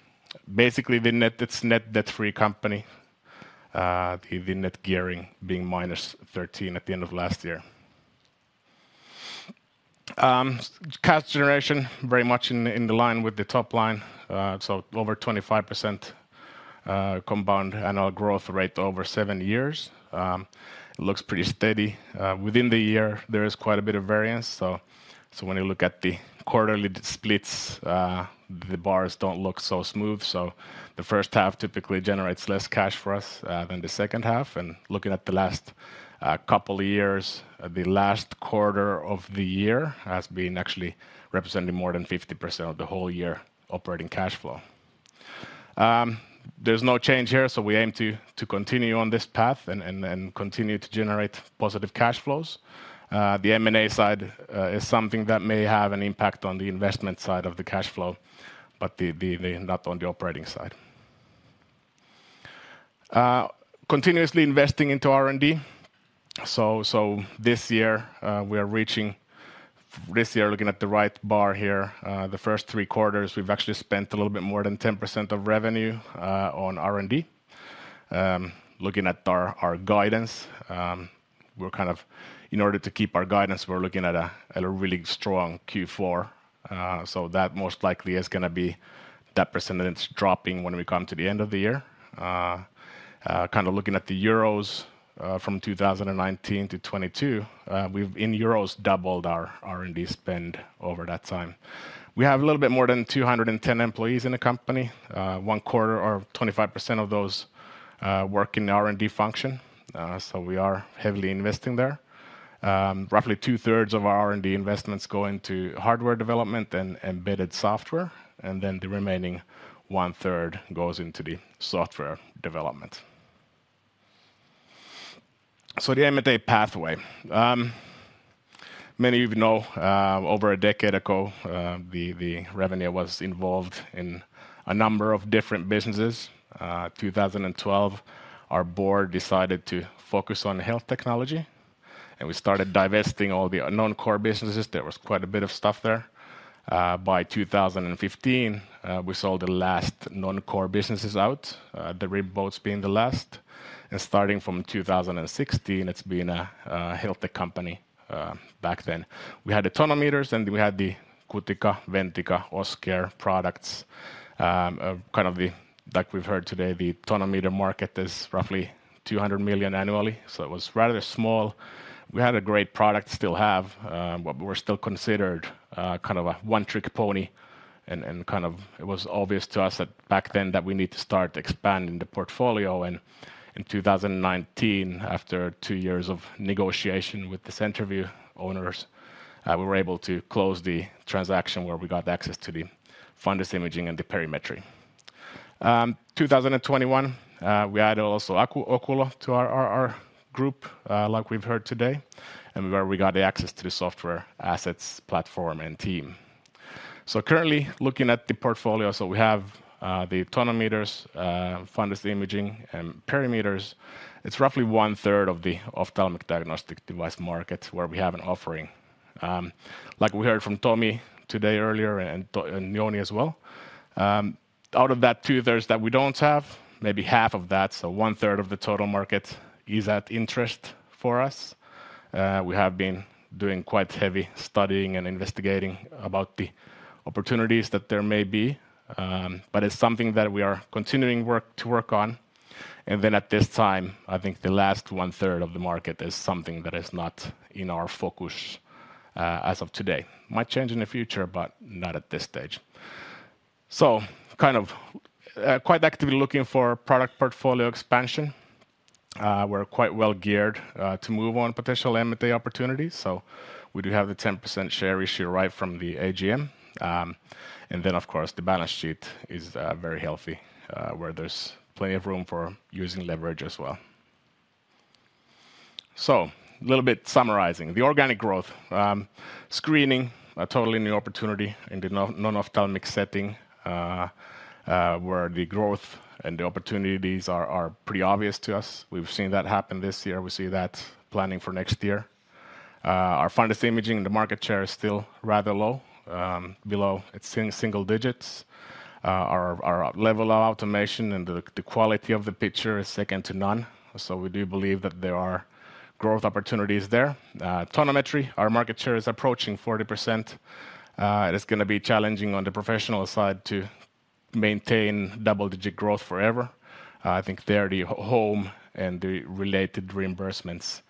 Speaker 6: Basically, the net, it's net debt-free company, the net gearing being -13 at the end of last year. Cash generation, very much in the line with the top line, so over 25%, compound annual growth rate over 7 years. It looks pretty steady. Within the year, there is quite a bit of variance. So when you look at the quarterly splits, the bars don't look so smooth. So the first half typically generates less cash for us than the second half. And looking at the last couple of years, the last quarter of the year has been actually representing more than 50% of the whole year operating cash flow. There's no change here, so we aim to continue on this path and continue to generate positive cash flows. The M&A side is something that may have an impact on the investment side of the cash flow, but not on the operating side. Continuously investing into R&D. So this year, looking at the right bar here, the first three quarters, we've actually spent a little bit more than 10% of revenue on R&D. Looking at our guidance, in order to keep our guidance, we're looking at a really strong Q4. So that most likely is gonna be that percentage dropping when we come to the end of the year. Kinda looking at the euros, from 2019 to 2022, we've, in euros, doubled our R&D spend over that time. We have a little bit more than 210 employees in the company. One quarter or 25% of those work in the R&D function, so we are heavily investing there. Roughly 2/3 of our R&D investments go into hardware development and embedded software, and then the remaining one-third goes into the software development. So the M&A pathway. Many of you know, over a decade ago, the Revenio was involved in a number of different businesses. 2012, our board decided to focus on health technology, and we started divesting all the non-core businesses. There was quite a bit of stuff there. By 2015, we sold the last non-core businesses out, the RIB Boats being the last. Starting from 2016, it's been a health tech company. Back then, we had the tonometers, and we had the Cutica, Ventica, Oscare products. Kind of like we've heard today, the tonometer market is roughly 200 million annually, so it was rather small. We had a great product, still have, but we're still considered kind of a one-trick pony. And kind of it was obvious to us that back then that we need to start expanding the portfolio. And in 2019, after two years of negotiation with the CenterVue owners, we were able to close the transaction where we got access to the fundus imaging and the perimetry. 2021, we added also Oculo to our group, like we've heard today, and where we got the access to the software assets, platform, and team. So currently, looking at the portfolio, so we have the tonometers, fundus imaging, and perimeters. It's roughly 1/3 of the ophthalmic diagnostic device market where we have an offering. Like we heard from Tomi today earlier, and Jouni as well, out of that 2/3 that we don't have, maybe 1/2 of that, so 1/3 of the total market is at interest for us. We have been doing quite heavy studying and investigating about the opportunities that there may be, but it's something that we are continuing to work on. At this time, I think the last 1/3 of the market is something that is not in our focus, as of today. Might change in the future, but not at this stage. So kind of, quite actively looking for product portfolio expansion. We're quite well geared, to move on potential M&A opportunities, so we do have the 10% share issue right from the AGM. And then, of course, the balance sheet is very healthy, where there's plenty of room for using leverage as well. So a little bit summarizing. The organic growth, screening, a totally new opportunity in the non-ophthalmic setting, where the growth and the opportunities are pretty obvious to us. We've seen that happen this year. We see that planning for next year. Our fundus imaging, the market share is still rather low, below single digits. Our level of automation and the quality of the picture is second to none, so we do believe that there are growth opportunities there. Tonometry, our market share is approaching 40%. It is gonna be challenging on the professional side to maintain double-digit growth forever. I think there, the home and the related reimbursements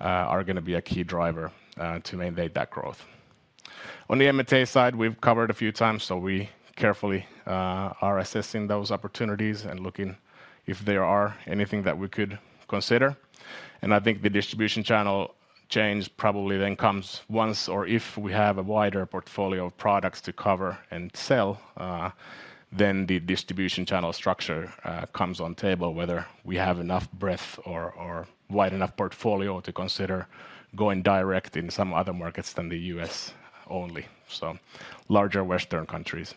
Speaker 6: are gonna be a key driver to maintain that growth. On the M&A side, we've covered a few times, so we carefully are assessing those opportunities and looking if there are anything that we could consider. I think the distribution channel change probably then comes once or if we have a wider portfolio of products to cover and sell, then the distribution channel structure comes on table, whether we have enough breadth or, or wide enough portfolio to consider going direct in some other markets than the U.S. only. So larger Western countries.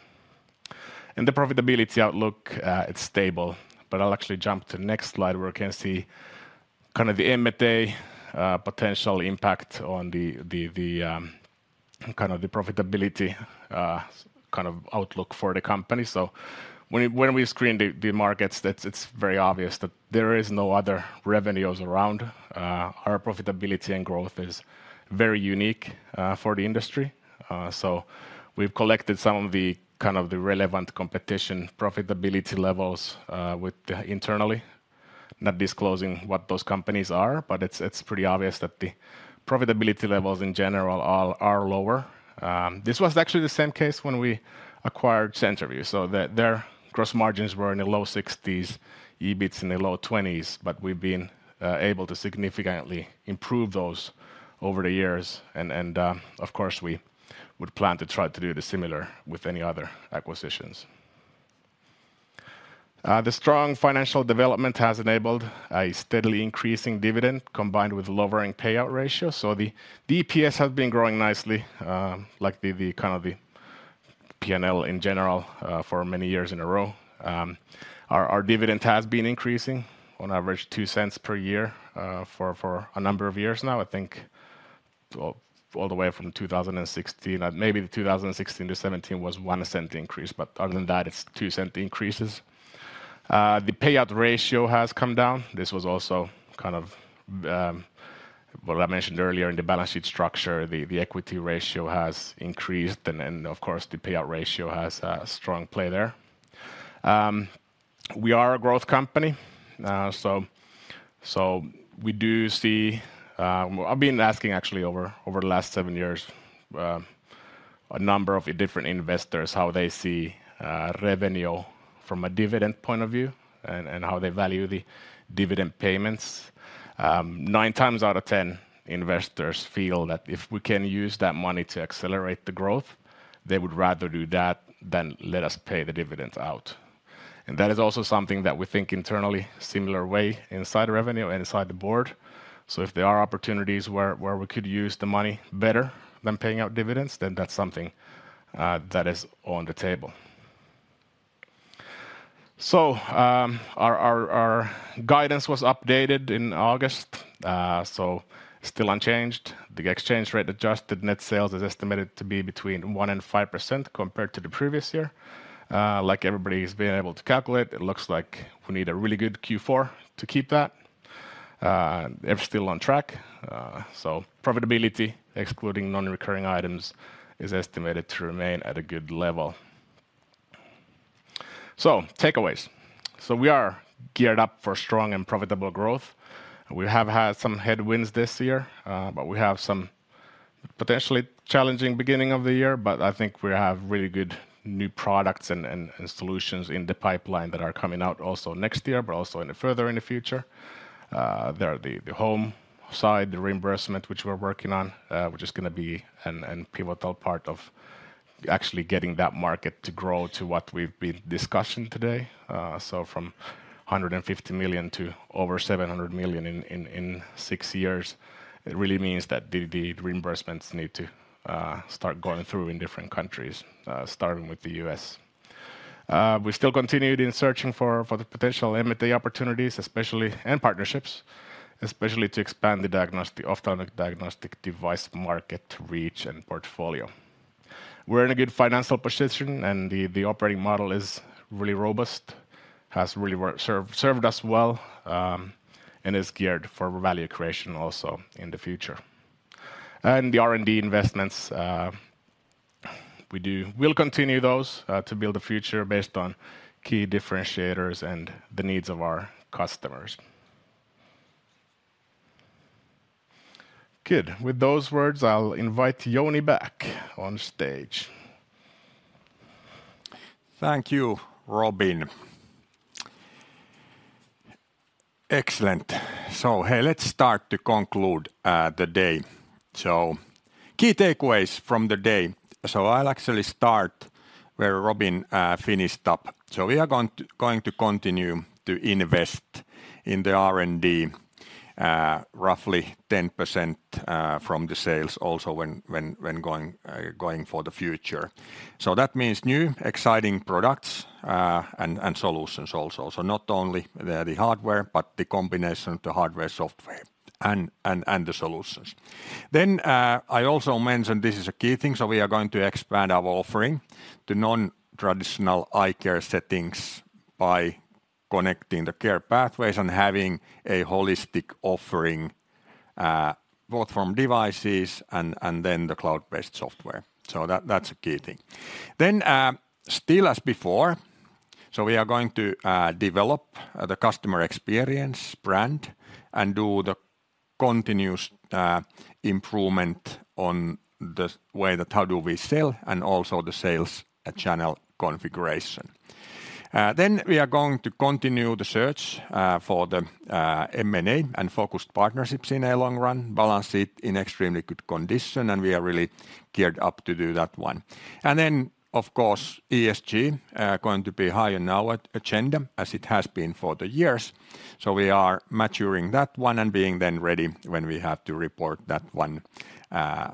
Speaker 6: The profitability outlook, it's stable, but I'll actually jump to the next slide, where we can see kind of the M&A potential impact on the kind of profitability kind of outlook for the company. So when we screen the markets, that's. It's very obvious that there is no other revenues around. Our profitability and growth is very unique for the industry. So we've collected some of the, kind of the relevant competition, profitability levels, with internally, not disclosing what those companies are, but it's, it's pretty obvious that the profitability levels in general are, are lower. This was actually the same case when we acquired CenterVue, so their gross margins were in the low 60s, EBITs in the low 20s, but we've been able to significantly improve those over the years. And, of course, we would plan to try to do the similar with any other acquisitions. The strong financial development has enabled a steadily increasing dividend, combined with lowering payout ratio. The DPS has been growing nicely, like the, the kind of the P&L in general, for many years in a row. Our dividend has been increasing on average 0.02 per year for a number of years now. I think all the way from 2016, maybe the 2016 to 2017 was 0.01 increase, but other than that, it's 0.02 increases. The payout ratio has come down. This was also kind of, well, I mentioned earlier in the balance sheet structure, the equity ratio has increased, and then, of course, the payout ratio has a strong play there. We are a growth company, so we do see. I've been asking actually over the last seven years a number of different investors, how they see revenue from a dividend point of view and how they value the dividend payments. Nine times out of ten, investors feel that if we can use that money to accelerate the growth, they would rather do that than let us pay the dividends out. And that is also something that we think internally, similar way inside the Revenio and inside the board. So if there are opportunities where we could use the money better than paying out dividends, then that's something that is on the table. So our guidance was updated in August, so still unchanged. The exchange rate adjusted net sales is estimated to be between 1% and 5% compared to the previous year. Like everybody's been able to calculate, it looks like we need a really good Q4 to keep that. We're still on track, so profitability, excluding non-recurring items, is estimated to remain at a good level. So takeaways. So we are geared up for strong and profitable growth. We have had some headwinds this year, but we have some potentially challenging beginning of the year, but I think we have really good new products and solutions in the pipeline that are coming out also next year, but also further in the future. There are the home side, the reimbursement, which we're working on, which is gonna be a pivotal part of actually getting that market to grow to what we've been discussing today, so from $150 million to over $700 million in six years, it really means that the reimbursements need to start going through in different countries, starting with the U.S. We still continued searching for the potential M&A opportunities, especially, and partnerships, especially to expand the ophthalmic diagnostic device market reach and portfolio. We're in a good financial position, and the operating model is really robust, has really served us well, and is geared for value creation also in the future. The R&D investments, we'll continue those, to build a future based on key differentiators and the needs of our customers.
Speaker 4: Good. With those words, I'll invite Jouni back on stage.
Speaker 3: Thank you, Robin. Excellent. So, hey, let's start to conclude the day. So key takeaways from the day. So I'll actually start where Robin finished up. So we are going to continue to invest in the R&D, roughly 10% from the sales also when going for the future. So that means new, exciting products and the solutions. So not only the hardware, but the combination of the hardware, software, and the solutions. Then I also mentioned this is a key thing, so we are going to expand our offering to non-traditional eye care settings by connecting the care pathways and having a holistic offering both from devices and then the cloud-based software. So that, that's a key thing. Then, still as before, so we are going to develop the customer experience brand and do the continuous improvement on the way that how do we sell and also the sales and channel configuration. Then we are going to continue the search for the M&A and focused partnerships in a long run, balance it in extremely good condition, and we are really geared up to do that one. And then, of course, ESG going to be high on our agenda, as it has been for the years. So we are maturing that one and being then ready when we have to report that one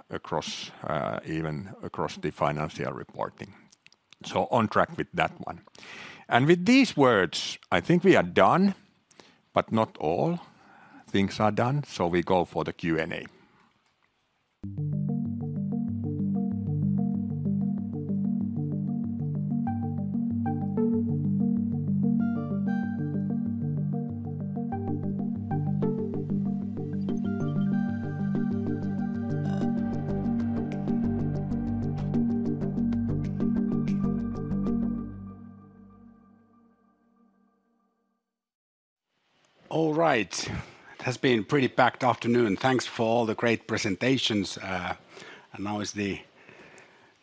Speaker 3: across even across the financial reporting. So on track with that one. And with these words, I think we are done, but not all things are done, so we go for the Q&A. All right.
Speaker 4: It has been a pretty packed afternoon. Thanks for all the great presentations. Now is the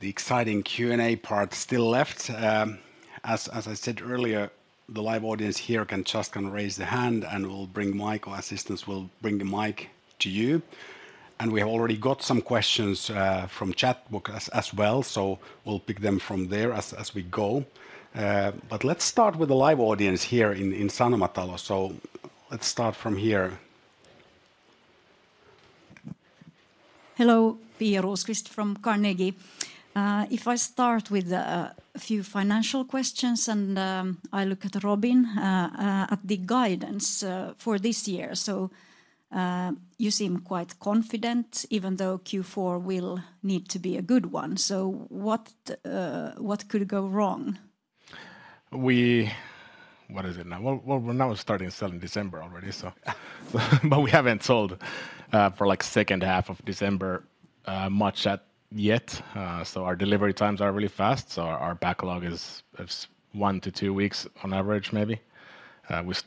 Speaker 4: exciting Q&A part still left. As I said earlier, the live audience here can just raise their hand, and we'll bring mic or assistants will bring the mic to you. We have already got some questions from chatbot as well, so we'll pick them from there as we go. Let's start with the live audience here in Sanomatalo. Let's start from here.
Speaker 7: Hello, Pia Rosqvist from Carnegie. If I start with a few financial questions, and I look at Robin, at the guidance for this year. So, what could go wrong?
Speaker 6: What is it now? Well, we're now starting to sell in December already, so but we haven't sold for, like, second half of December much as yet. So our delivery times are really fast, so our backlog is one week to two weeks on average, maybe. With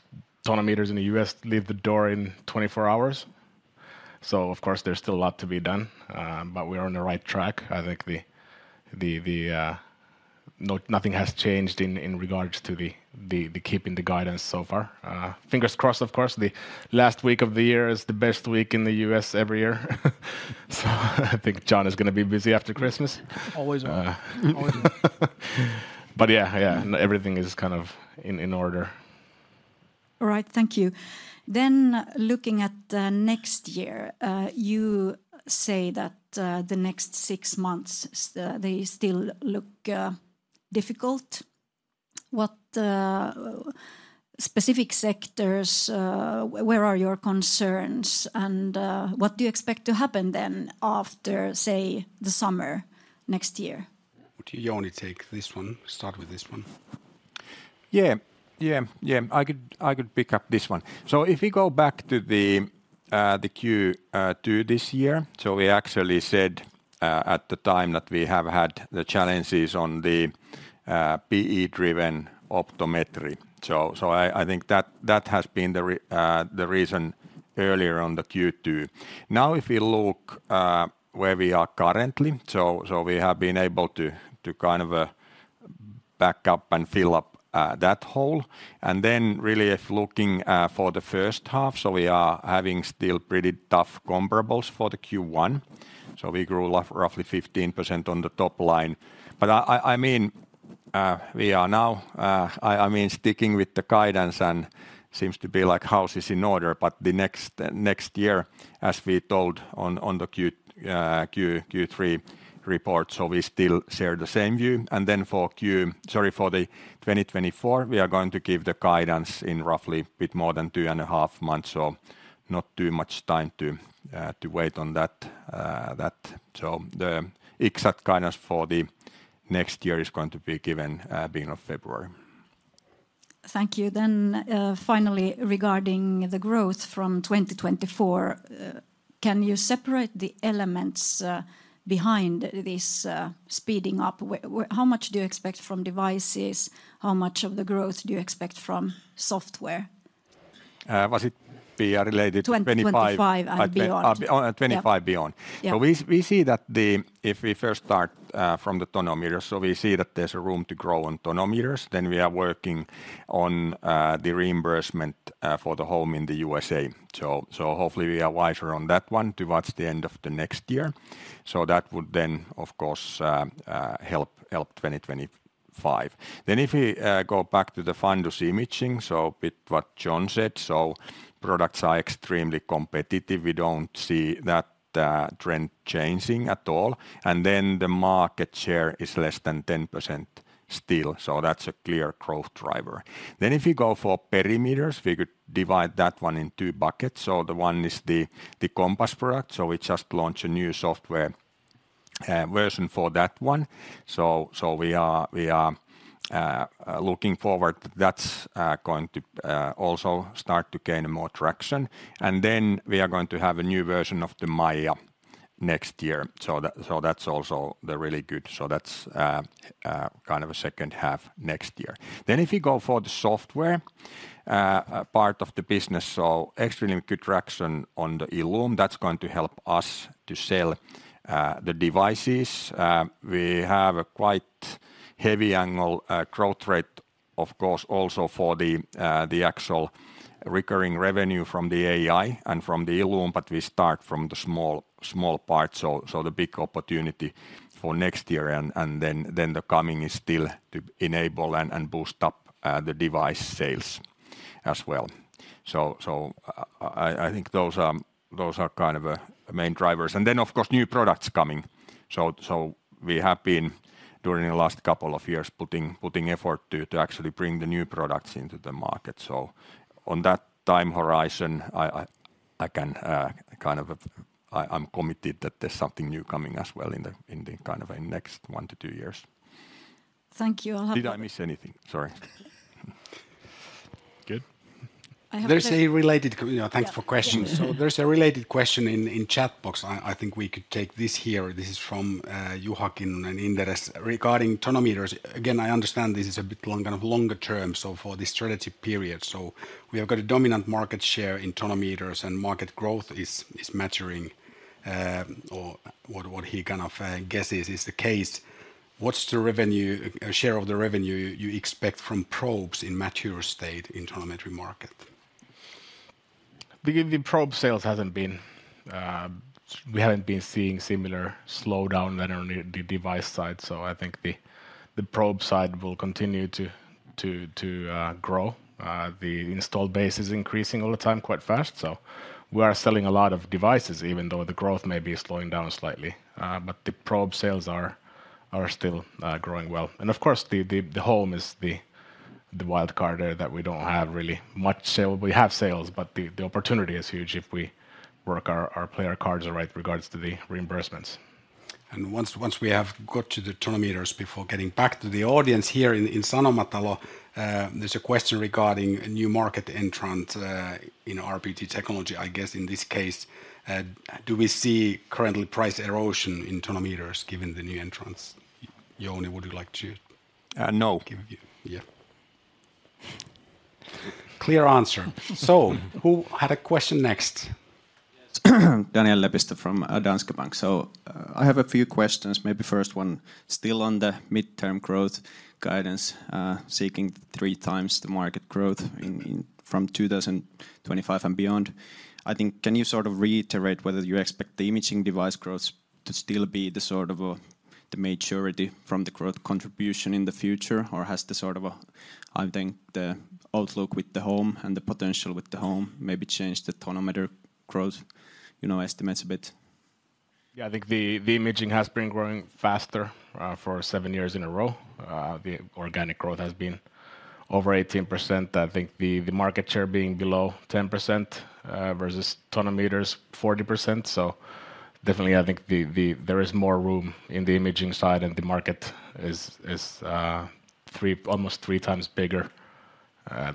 Speaker 6: tonometers in the U.S., out the door in 24 hours. So of course, there's still a lot to be done, but we are on the right track. I think nothing has changed in regards to the keeping the guidance so far. Fingers crossed, of course, the last week of the year is the best week in the U.S. every year. So I think John is gonna be busy after Christmas.
Speaker 5: Always.
Speaker 6: Always. But yeah, yeah, everything is kind of in order.
Speaker 7: All right. Thank you. Then looking at the next year, you say that the next six months they still look difficult. What specific sectors where are your concerns, and what do you expect to happen then after, say, the summer next year?
Speaker 6: Would you, Jouni, take this one? Start with this one.
Speaker 3: Yeah, yeah, yeah. I could pick up this one. So if we go back to the Q2 this year, so we actually said at the time that we have had the challenges on the PE-driven optometry. So I think that has been the reason earlier on the Q2. Now, if you look where we are currently, so we have been able to kind of back up and fill up that hole. And then really if looking for the first half, so we are having still pretty tough comparables for the Q1, so we grew roughly 15% on the top line. But I mean, we are now, I mean, sticking with the guidance and seems to be like house is in order, but the next year, as we told on the Q3 report, so we still share the same view. And then for Q. Sorry, for the 2024, we are going to give the guidance in roughly a bit more than two and a half months, so not too much time to wait on that. So the exact guidance for the next year is going to be given beginning of February.
Speaker 7: Thank you. Finally, regarding the growth from 2024, can you separate the elements behind this speeding up? How much do you expect from devices? How much of the growth do you expect from software?
Speaker 3: Was it PR related to 2025?
Speaker 7: 2020-2025 and beyond.
Speaker 3: 2025 beyond?
Speaker 7: Yeah.
Speaker 3: So we see that if we first start from the tonometers, so we see that there's room to grow on tonometers. Then we are working on the reimbursement for the HOME in the USA. So hopefully we are wiser on that one towards the end of the next year. So that would then, of course, help 2025. Then if we go back to the fundus imaging, so bit what John said, so products are extremely competitive. We don't see that trend changing at all. And then the market share is less than 10% still, so that's a clear growth driver. Then if you go for perimeters, we could divide that one in two buckets. So the one is the COMPASS product, so we just launched a new software version for that one. We are looking forward, that's going to also start to gain more traction. And then we are going to have a new version of the MAIA next year. So that's also the really good. So that's kind of a second half next year. Then if you go for the software part of the business, so extremely good traction on the ILLUME, that's going to help us to sell the devices. We have a quite heavy angle growth rate, of course, also for the actual recurring revenue from the AI and from the ILLUME, but we start from the small part, so the big opportunity for next year and then the coming is still to enable and boost up the device sales as well. I think those are kind of the main drivers. And then, of course, new products coming. So we have been, during the last couple of years, putting effort to actually bring the new products into the market. So on that time horizon, I can kind of. I'm committed that there's something new coming as well in the kind of next one to two years.
Speaker 7: Thank you, I'll have-
Speaker 3: Did I miss anything? Sorry.
Speaker 6: Good.
Speaker 7: I have-
Speaker 4: There's a related co-
Speaker 7: Yeah.
Speaker 4: You know, thanks for questions.
Speaker 7: Yeah.
Speaker 4: So there's a related question in the chat box. I think we could take this here. This is from Juha Kinnunen in Inderes regarding tonometers. Again, I understand this is a bit long, kind of longer term, so for the strategic period. So we have got a dominant market share in tonometers, and market growth is maturing, or what he kind of guesses is the case. What's the revenue share of the revenue you expect from probes in mature state in tonometer market?
Speaker 6: The probe sales hasn't been. We haven't been seeing similar slowdown than on the device side, so I think the probe side will continue to grow. The install base is increasing all the time, quite fast, so we are selling a lot of devices, even though the growth may be slowing down slightly. But the probe sales are still growing well. And of course, the home is the wild card there that we don't have really much sale. We have sales, but the opportunity is huge if we work our play our cards the right regards to the reimbursements.
Speaker 4: And once we have got to the tonometers, before getting back to the audience here in Sanomatalo, there's a question regarding a new market entrant in rebound technology. I guess in this case, do we see currently price erosion in tonometers given the new entrants? Jouni, would you like to-
Speaker 3: Uh, no.
Speaker 4: Give view? Yeah. Clear answer. So who had a question next?
Speaker 8: Daniel Lepistö from Danske Bank. So, I have a few questions. Maybe first one, still on the midterm growth guidance, seeking three times the market growth in from 2025 and beyond. I think, can you sort of reiterate whether you expect the imaging device growth to still be the sort of, the maturity from the growth contribution in the future? Or has the sort of, I think the outlook with the home and the potential with the home maybe changed the tonometer growth, you know, estimates a bit?
Speaker 6: Yeah, I think the imaging has been growing faster for seven years in a row. The organic growth has been over 18%. I think the market share being below 10% versus tonometers, 40%. So definitely I think there is more room in the imaging side, and the market is almost three times bigger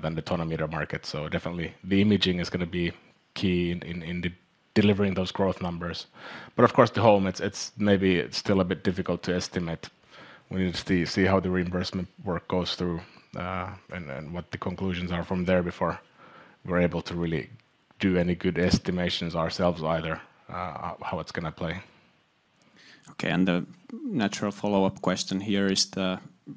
Speaker 6: than the tonometer market. So definitely the imaging is gonna be key in delivering those growth numbers. But of course, the home, it's maybe still a bit difficult to estimate. We need to see how the reimbursement work goes through, and what the conclusions are from there before we're able to really do any good estimations ourselves, how it's gonna play.
Speaker 8: Okay, and the natural follow-up question here is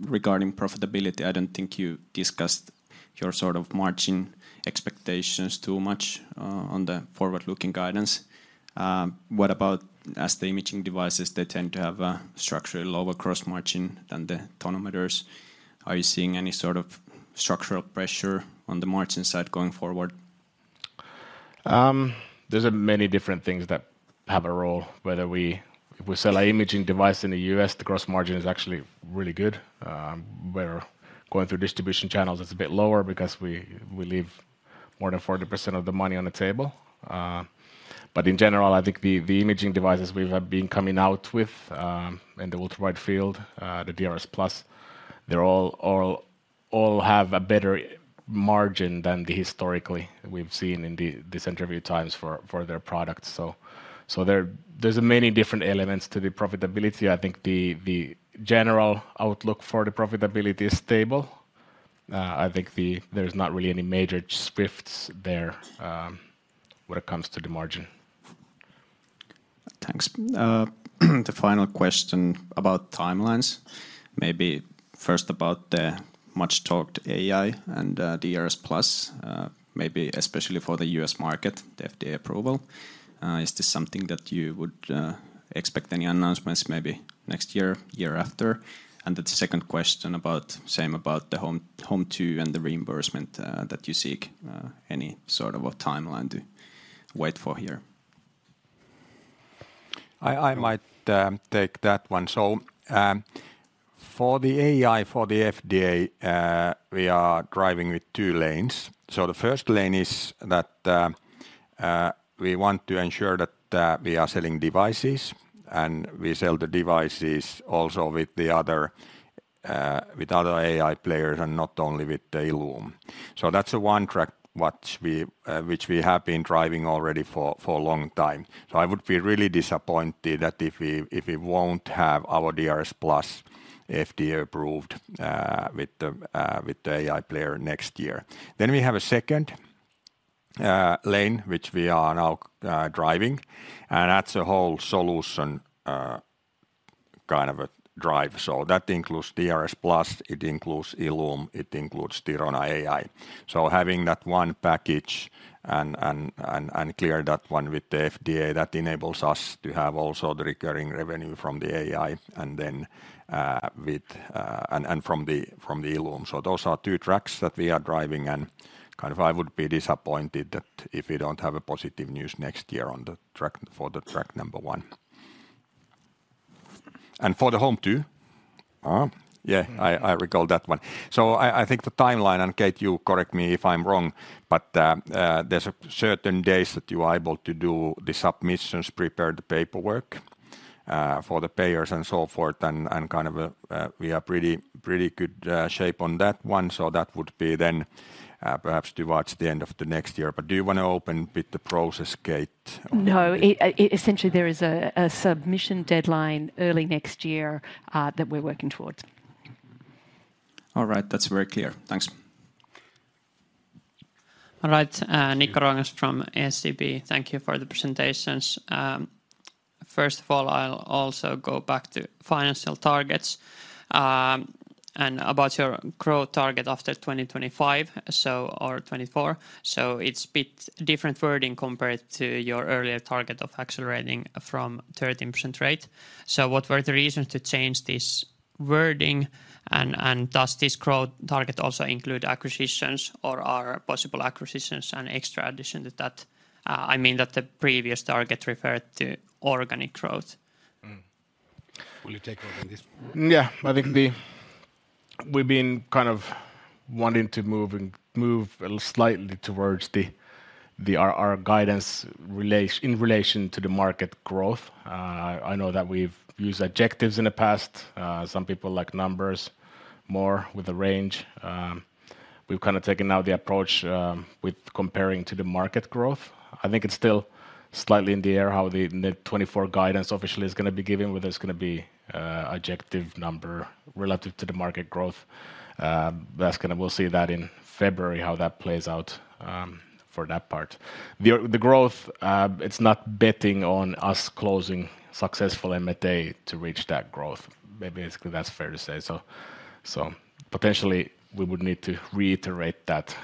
Speaker 8: regarding profitability. I don't think you discussed your sort of margin expectations too much on the forward-looking guidance. What about as the imaging devices, they tend to have a structurally lower gross margin than the tonometers. Are you seeing any sort of structural pressure on the margin side going forward?
Speaker 6: There are many different things that have a role, whether if we sell an imaging device in the U.S., the gross margin is actually really good. We're going through distribution channels, it's a bit lower because we leave more than 40% of the money on the table. But in general, I think the imaging devices we have been coming out with, in the ultra-wide field, the DRSplus, they all have a better margin than historically we've seen in these interim times for their products. So there are many different elements to the profitability. I think the general outlook for the profitability is stable. I think there's not really any major shifts there, when it comes to the margin.
Speaker 8: Thanks. The final question about timelines. Maybe first about the much-talked AI and DRSplus, maybe especially for the U.S. market, the FDA approval. Is this something that you would expect any announcements maybe next year, year after? The second question about, same about the HOME2 and the reimbursement, that you seek, any sort of a timeline to wait for here?
Speaker 3: I might take that one. So, for the AI, for the FDA, we are driving with two lanes. So the first lane is that we want to ensure that we are selling devices, and we sell the devices also with the other, with other AI players and not only with the ILLUME. So that's a one track what we, which we have been driving already for a long time. So I would be really disappointed that if we won't have our DRSplus FDA-approved with the AI player next year. Then we have a second lane, which we are now driving, and that's a whole solution kind of a drive. So that includes DRSplus, it includes ILLUME, it includes the Thirona AI. So having that one package and clear that one with the FDA, that enables us to have also the recurring revenue from the AI, and then with from the ILLUME. So those are two tracks that we are driving, and kind of I would be disappointed that if we don't have positive news next year on the track, for the track number one. And for the HOME2, yeah, I recall that one. So I think the timeline, and Kate, you correct me if I'm wrong, but there's a certain days that you are able to do the submissions, prepare the paperwork for the payers and so forth, and kind of we are pretty good shape on that one. So that would be then, perhaps towards the end of the next year. But do you want to open with the process, Kate?
Speaker 9: No. It essentially, there is a submission deadline early next year that we're working towards.
Speaker 8: All right. That's very clear. Thanks.
Speaker 10: All right, Nikko Ruokangas from SEB. Thank you for the presentations. First of all, I'll also go back to financial targets, and about your growth target after 2025 or 2024. So it's a bit different wording compared to your earlier target of accelerating from 13% rate. So what were the reasons to change this wording? And does this growth target also include acquisitions, or are possible acquisitions an extra addition to that? I mean, that the previous target referred to organic growth.
Speaker 3: Mm. Will you take on this one?
Speaker 6: Yeah. I think we've been kind of wanting to move a little slightly towards our guidance in relation to the market growth. I know that we've used adjectives in the past. Some people like numbers more with a range. We've kind of taken now the approach with comparing to the market growth. I think it's still slightly in the air how the next 2024 guidance officially is gonna be given, whether it's gonna be adjective, number relative to the market growth. That's gonna. We'll see that in February, how that plays out for that part. The growth, it's not betting on us closing successful M&A to reach that growth. Basically, that's fair to say so. So potentially, we would need to reiterate that,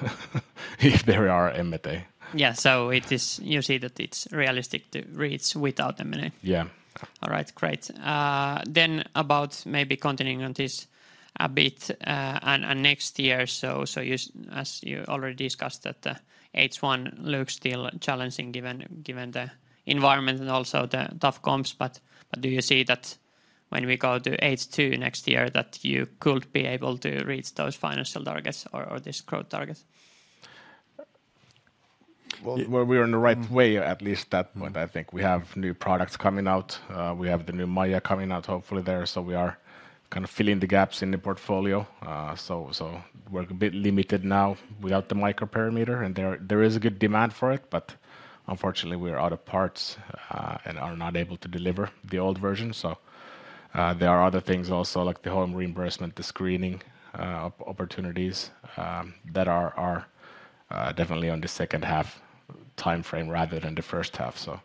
Speaker 6: if there are M&A.
Speaker 10: Yeah. So it is. You see that it's realistic to reach without M&A?
Speaker 6: Yeah.
Speaker 10: All right, great. Then about maybe continuing on this a bit, and next year, so as you already discussed, that the H1 looks still challenging given the environment and also the tough comps. But do you see that when we go to H2 next year, that you could be able to reach those financial targets or this growth target?
Speaker 6: Well, we're on the right way, at least that point, I think. We have new products coming out. We have the new MAIA coming out hopefully there, so we are kind of filling the gaps in the portfolio. So we're a bit limited now without the microperimeter, and there is a good demand for it, but unfortunately, we are out of parts, and are not able to deliver the old version. So- There are other things also, like the home reimbursement, the screening opportunities that are definitely on the second half timeframe rather than the first half. So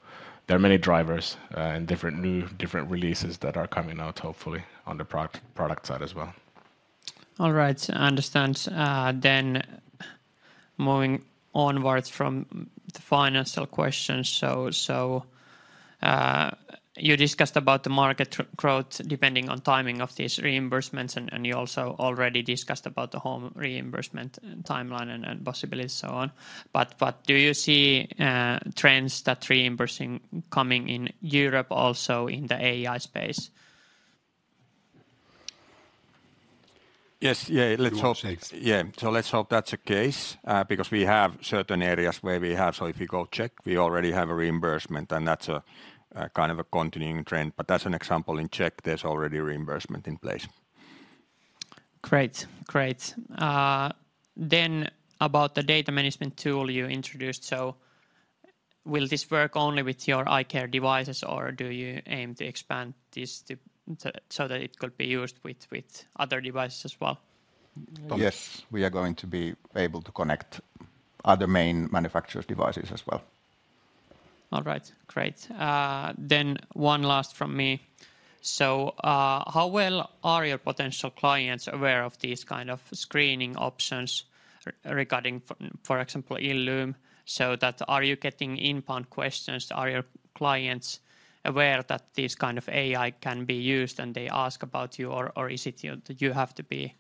Speaker 6: there are many drivers and different, new, different releases that are coming out, hopefully, on the product, product side as well.
Speaker 10: All right, understands. Then moving onward from the financial questions. So, you discussed about the market growth, depending on timing of these reimbursements, and you also already discussed about the home reimbursement and timeline and possibilities, so on. But do you see trends that reimbursing coming in Europe, also in the AI space?
Speaker 1: Yes. Yeah, let's hope-
Speaker 3: You want to take this?
Speaker 1: Yeah, so let's hope that's the case, because we have certain areas where we have. So if you go check, we already have a reimbursement, and that's a kind of continuing trend. But as an example, in Czech, there's already reimbursement in place.
Speaker 10: Great. Great. Then about the data management tool you introduced, so will this work only with your eye care devices, or do you aim to expand this to so that it could be used with other devices as well?
Speaker 3: Tom-
Speaker 1: Yes, we are going to be able to connect other main manufacturers' devices as well.
Speaker 10: All right, great. Then one last from me. How well are your potential clients aware of these kind of screening options regarding, for example, ILLUME? So that, are you getting inbound questions? Are your clients aware that this kind of AI can be used, and they ask about you, or is it you that you have to be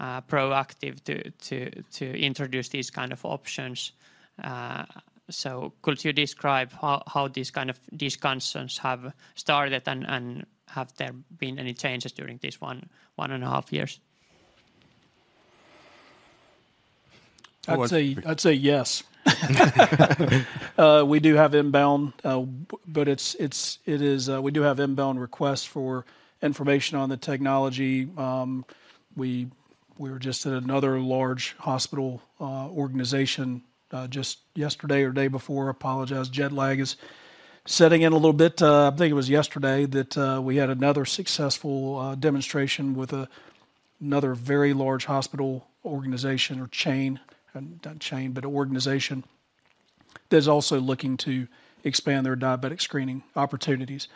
Speaker 10: proactive to introduce these kind of options? So could you describe how these kind of discussions have started, and have there been any changes during this 1.5 years?
Speaker 5: I'd say-
Speaker 1: Well-
Speaker 5: I'd say yes. We do have inbound requests for information on the technology. We were just at another large hospital organization just yesterday or day before. I apologize, jet lag is setting in a little bit. I think it was yesterday that we had another successful demonstration with another very large hospital organization or chain, not chain, but organization, that's also looking to expand their diabetic screening opportunities.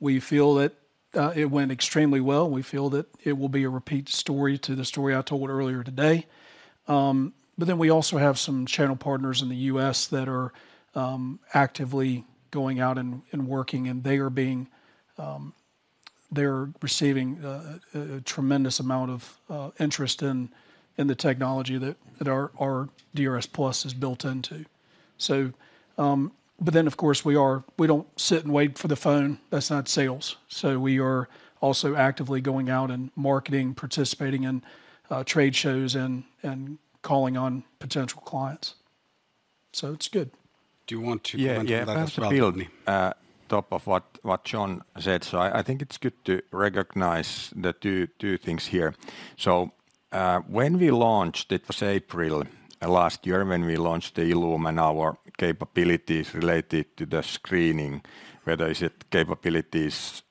Speaker 5: We feel that it went extremely well. We feel that it will be a repeat story to the story I told earlier today. But then we also have some channel partners in the U.S. that are actively going out and working, and they are being, they're receiving a tremendous amount of interest in the technology that our DRSplus is built into. So, but then, of course, we are, we don't sit and wait for the phone. That's not sales, so we are also actively going out and marketing, participating in trade shows, and calling on potential clients. So it's good.
Speaker 3: Do you want to comment on that as well?
Speaker 1: Yeah, yeah.
Speaker 3: Pihlni.
Speaker 1: Top of what John said, so I think it's good to recognize the two things here. So, when we launched, it was April last year, when we launched the ILLUME and our capabilities related to the screening, whether is it capabilities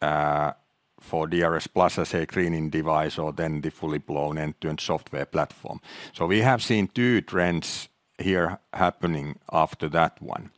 Speaker 1: for DRSplus as a screening device, or then the fully blown end-to-end software platform. So we have seen two trends here happening after that one.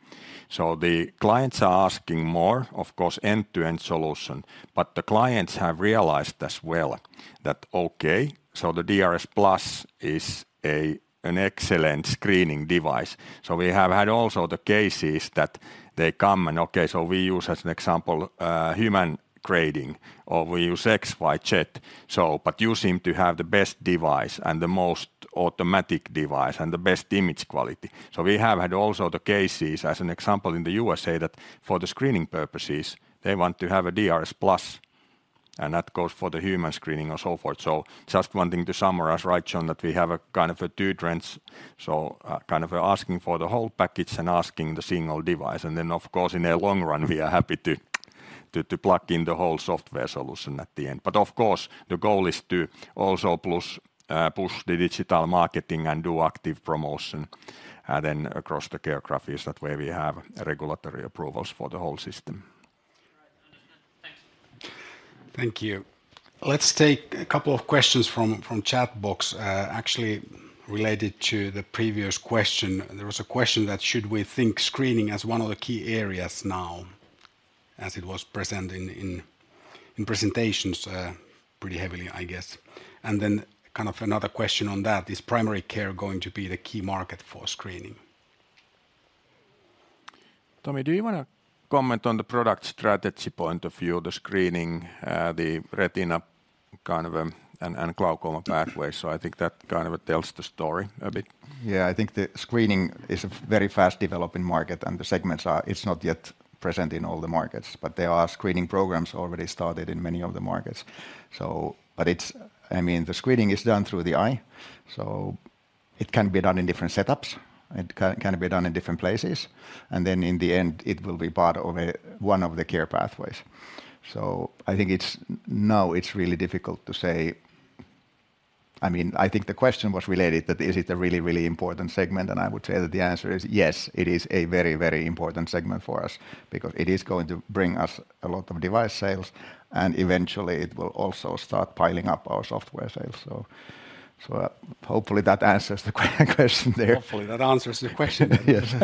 Speaker 1: So the clients are asking more, of course, end-to-end solution, but the clients have realized as well that, okay, so the DRSplus is a, an excellent screening device. So we have had also the cases that they come and, "Okay, so we use, as an example, human grading, or we use X, Y chat," so, "But you seem to have the best device and the most automatic device and the best image quality." So we have had also the cases, as an example, in the USA, that for the screening purposes, they want to have a DRSplus, and that goes for the human screening and so forth. So just one thing to summarize, right, John, that we have a kind of a two trends, so, kind of asking for the whole package and asking the single device. And then, of course, in the long run, we are happy to plug in the whole software solution at the end. Of course, the goal is to also push the digital marketing and do active promotion, then across the geographies, that way we have regulatory approvals for the whole system.
Speaker 10: Right. Understand. Thanks.
Speaker 4: Thank you. Let's take a couple of questions from the chat box, actually related to the previous question. There was a question that: Should we think screening as one of the key areas now, as it was presented in the presentations pretty heavily, I guess? And then kind of another question on that: Is primary care going to be the key market for screening?
Speaker 3: Tomi, do you wanna comment on the product strategy point of view, the screening, the retina kind of, and glaucoma pathways? So I think that kind of tells the story a bit.
Speaker 1: Yeah, I think the screening is a very fast-developing market, and the segments are—it's not yet present in all the markets, but there are screening programs already started in many of the markets. So but it's—I mean, the screening is done through the eye, so it can be done in different setups, it can be done in different places, and then in the end, it will be part of a, one of the care pathways. So I think it's. Now, it's really difficult to say. I mean, I think the question was related that is it a really, really important segment? And I would say that the answer is yes, it is a very, very important segment for us, because it is going to bring us a lot of device sales, and eventually it will also start piling up our software sales. So, hopefully that answers the question there.
Speaker 4: Hopefully that answers the question.
Speaker 1: Yes.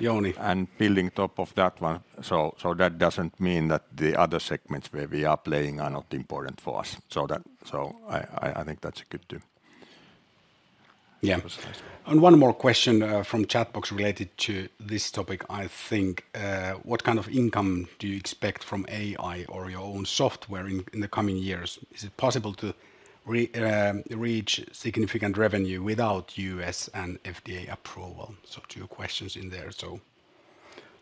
Speaker 4: Jouni?
Speaker 3: And building on top of that one, that doesn't mean that the other segments where we are playing are not important for us. So I think that's a good, too.
Speaker 4: Yeah.
Speaker 3: That was nice.
Speaker 4: One more question from chat box related to this topic, I think: What kind of income do you expect from AI or your own software in the coming years? Is it possible to reach significant revenue without U.S. and FDA approval? So two questions in there. So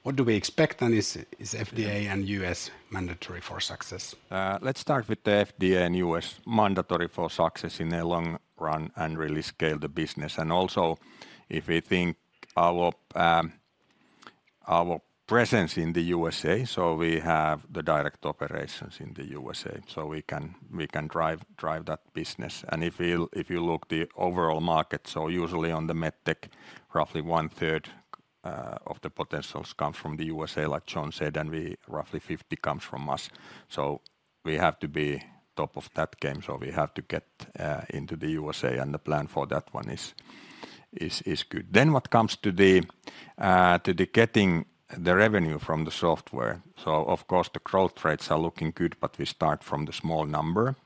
Speaker 4: what do we expect, and is FDA and U.S. mandatory for success?
Speaker 3: Let's start with the FDA and U.S. Mandatory for success in the long run and really scale the business, and also if we think our, our presence in the USA, so we have the direct operations in the USA, so we can, we can drive, drive that business. And if you, if you look the overall market, so usually on the med tech, roughly one third of the potentials come from the USA, like John said, and we roughly 50 comes from us. So we have to be top of that game, so we have to get into the USA, and the plan for that one is, is, is good. Then what comes to the, to the getting the revenue from the software, so of course, the growth rates are looking good, but we start from the small number.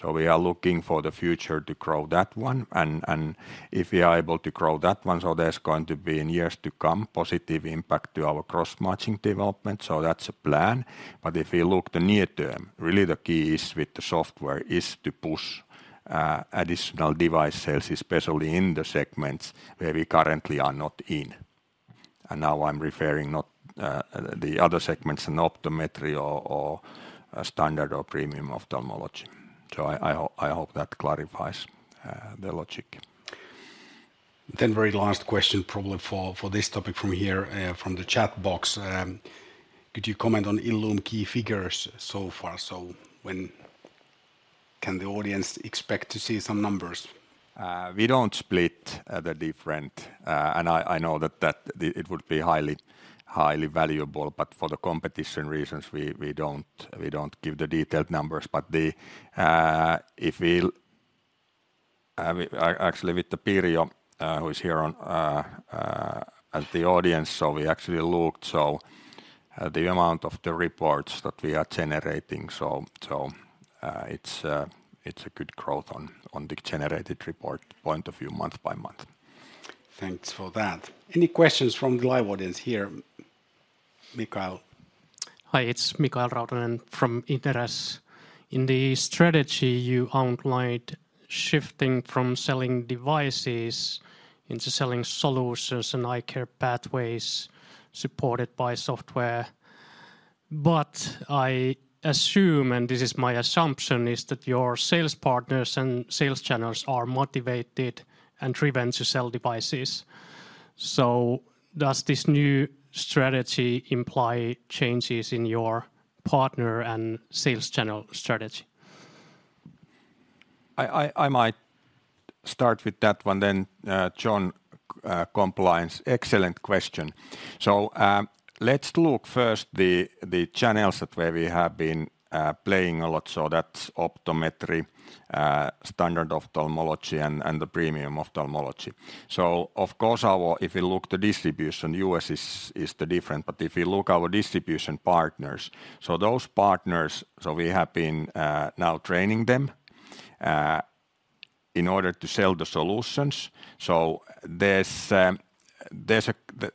Speaker 3: So we are looking for the future to grow that one, and if we are able to grow that one, so there's going to be, in years to come, positive impact to our cross-matching development, so that's a plan. But if you look the near term, really the key is with the software is to push additional device sales, especially in the segments where we currently are not in. And now I'm referring not the other segments in optometry or standard or premium ophthalmology. So I hope that clarifies the logic.
Speaker 4: Then very last question probably for this topic from here, from the chat box: Could you comment on ILLUME key figures so far? So when can the audience expect to see some numbers?
Speaker 3: We don't split the different. And I know that it would be highly, highly valuable, but for the competition reasons, we don't give the detailed numbers. But actually, with the Pirjo who is here in the audience, so we actually looked, so the amount of the reports that we are generating, so it's a good growth on the generated report point of view, month by month.
Speaker 4: Thanks for that. Any questions from the live audience here? Mikael?
Speaker 11: Hi, it's Mikael Rautanen from Inderes. In the strategy you outlined, shifting from selling devices into selling solutions and eye care pathways supported by software. But I assume, and this is my assumption, is that your sales partners and sales channels are motivated and driven to sell devices. So does this new strategy imply changes in your partner and sales channel strategy?
Speaker 3: I might start with that one, then, John, compliance. Excellent question. So, let's look first at the channels where we have been playing a lot, so that's optometry, standard ophthalmology, and the premium ophthalmology. So of course, our. If you look at the distribution, U.S. is the different, but if you look at our distribution partners, so those partners, so we have been now training them in order to sell the solutions. So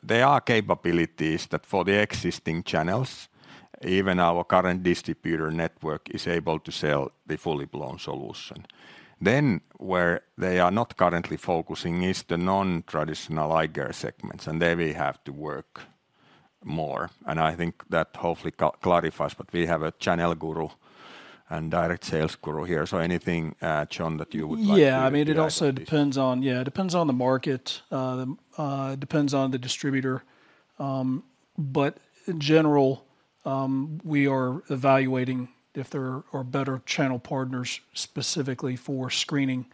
Speaker 3: there are capabilities that for the existing channels, even our current distributor network is able to sell the fully blown solution. Then where they are not currently focusing is the non-traditional eye care segments, and there we have to work more, and I think that hopefully clarifies. But we have a channel guru and direct sales guru here. Anything, John, that you would like to add?
Speaker 5: Yeah, I mean, it also depends on the market. Yeah, it depends on the distributor. But in general, we are evaluating if there are better channel partners specifically for screening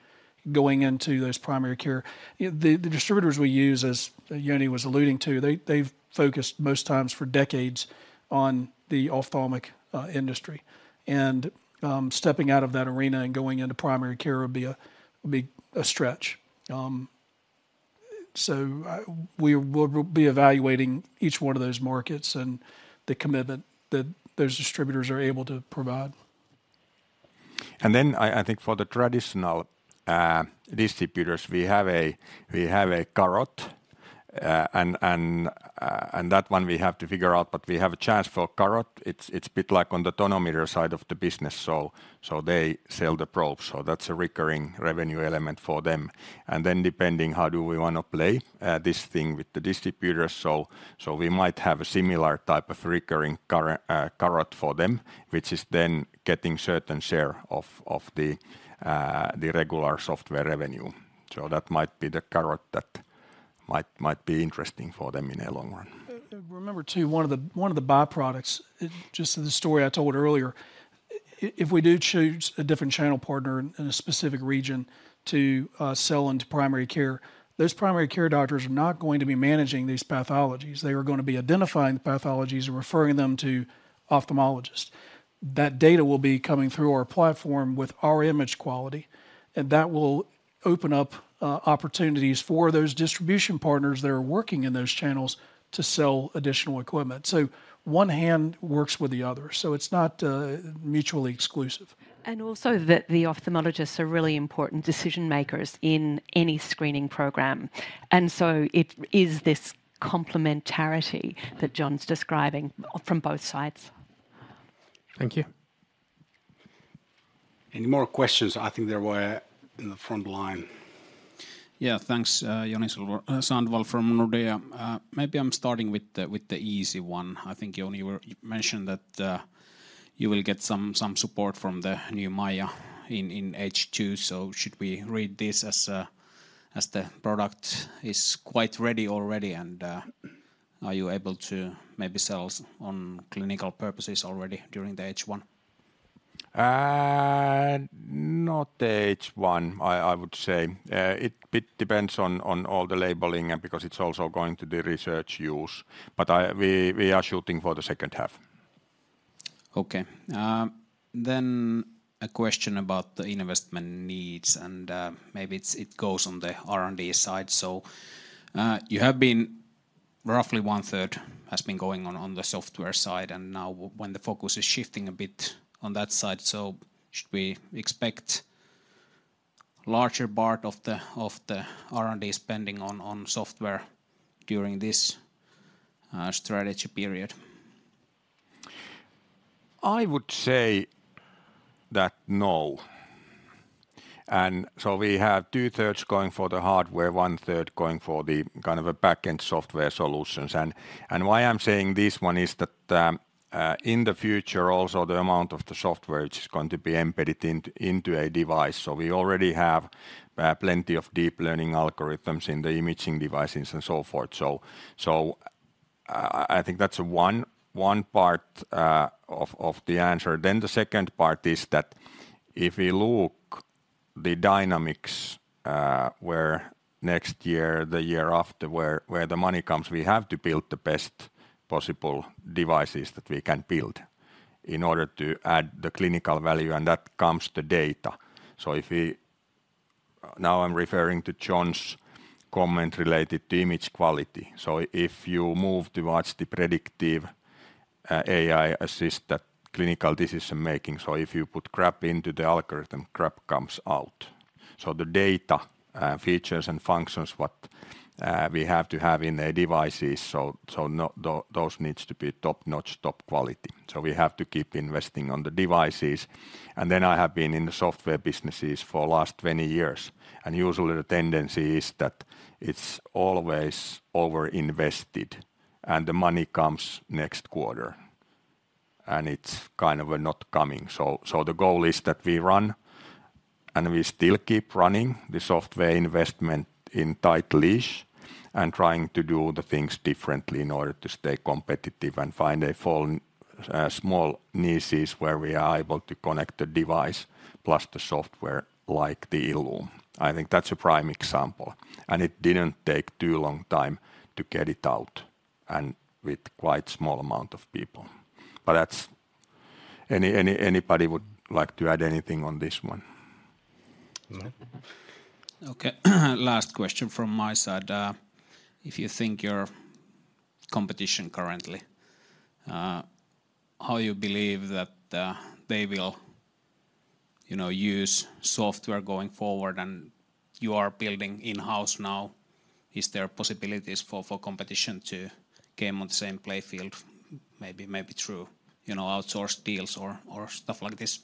Speaker 5: going into those primary care. You know, the distributors we use, as Jouni was alluding to, they've focused most times for decades on the ophthalmic industry. And, stepping out of that arena and going into primary care would be a stretch. So, we'll be evaluating each one of those markets and the commitment that those distributors are able to provide.
Speaker 3: And then I think for the traditional distributors, we have a carrot, and that one we have to figure out, but we have a chance for carrot. It's a bit like on the tonometer side of the business, so they sell the probes, so that's a recurring revenue element for them. And then depending how do we wanna play this thing with the distributors, so we might have a similar type of recurring carrot for them, which is then getting certain share of the regular software revenue. So that might be the carrot that might be interesting for them in the long run.
Speaker 5: Remember, too, one of the byproducts, just in the story I told earlier, if we do choose a different channel partner in a specific region to sell into primary care, those primary care doctors are not going to be managing these pathologies. They are gonna be identifying the pathologies and referring them to ophthalmologists. That data will be coming through our platform with our image quality, and that will open up opportunities for those distribution partners that are working in those channels to sell additional equipment. So one hand works with the other, so it's not mutually exclusive.
Speaker 9: Also, that the ophthalmologists are really important decision makers in any screening program, and so it is this complementarity that John's describing from both sides.
Speaker 11: Thank you.
Speaker 4: Any more questions? I think there were in the front line.
Speaker 12: Yeah, thanks. Joni Sandvall from Nordea. Maybe I'm starting with the easy one. I think, Jouni, you mentioned that you will get some support from the new MAIA in H2, so should we read this as the product is quite ready already? And are you able to maybe sell on clinical purposes already during the H1?
Speaker 3: Not the H1, I would say. It a bit depends on all the labeling and because it's also going to be research use. But we are shooting for the second half.
Speaker 12: Okay. Then a question about the investment needs, and maybe it's, it goes on the R&D side. So, you have been. Roughly one-third has been going on, on the software side, and now when the focus is shifting a bit on that side, so should we expect larger part of the, of the R&D spending on, on software during this strategy period?
Speaker 3: I would say that no. So we have 2/3 going for the hardware, one-third going for the kind of a back-end software solutions. And why I'm saying this one is that, in the future, also, the amount of the software which is going to be embedded into a device, so we already have plenty of deep learning algorithms in the imaging devices and so forth. So, I think that's one part of the answer. Then the second part is that if you look at the dynamics, where next year, the year after, where the money comes, we have to build the best possible devices that we can build in order to add the clinical value, and that comes the data. So if we. Now I'm referring to John's comment related to image quality. So if you move towards the predictive AI assist that clinical decision-making, so if you put crap into the algorithm, crap comes out. So the data, features, and functions what we have to have in the devices, so those needs to be top-notch, top quality. So we have to keep investing on the devices. And then I have been in the software businesses for the last 20 years, and usually the tendency is that it's always overinvested, and the money comes next quarter, and it's kind of not coming. So the goal is that we run, and we still keep running the software investment in tight leash and trying to do the things differently in order to stay competitive and find a few small niches where we are able to connect the device plus the software, like the ILLUME. I think that's a prime example, and it didn't take too long time to get it out, and with quite small amount of people. But that's. Anybody would like to add anything on this one?
Speaker 5: No.
Speaker 12: Okay. Last question from my side. If you think your competition currently, how you believe that they will, you know, use software going forward, and you are building in-house now, is there possibilities for competition to come on the same play field, maybe, maybe through, you know, outsourced deals or stuff like this?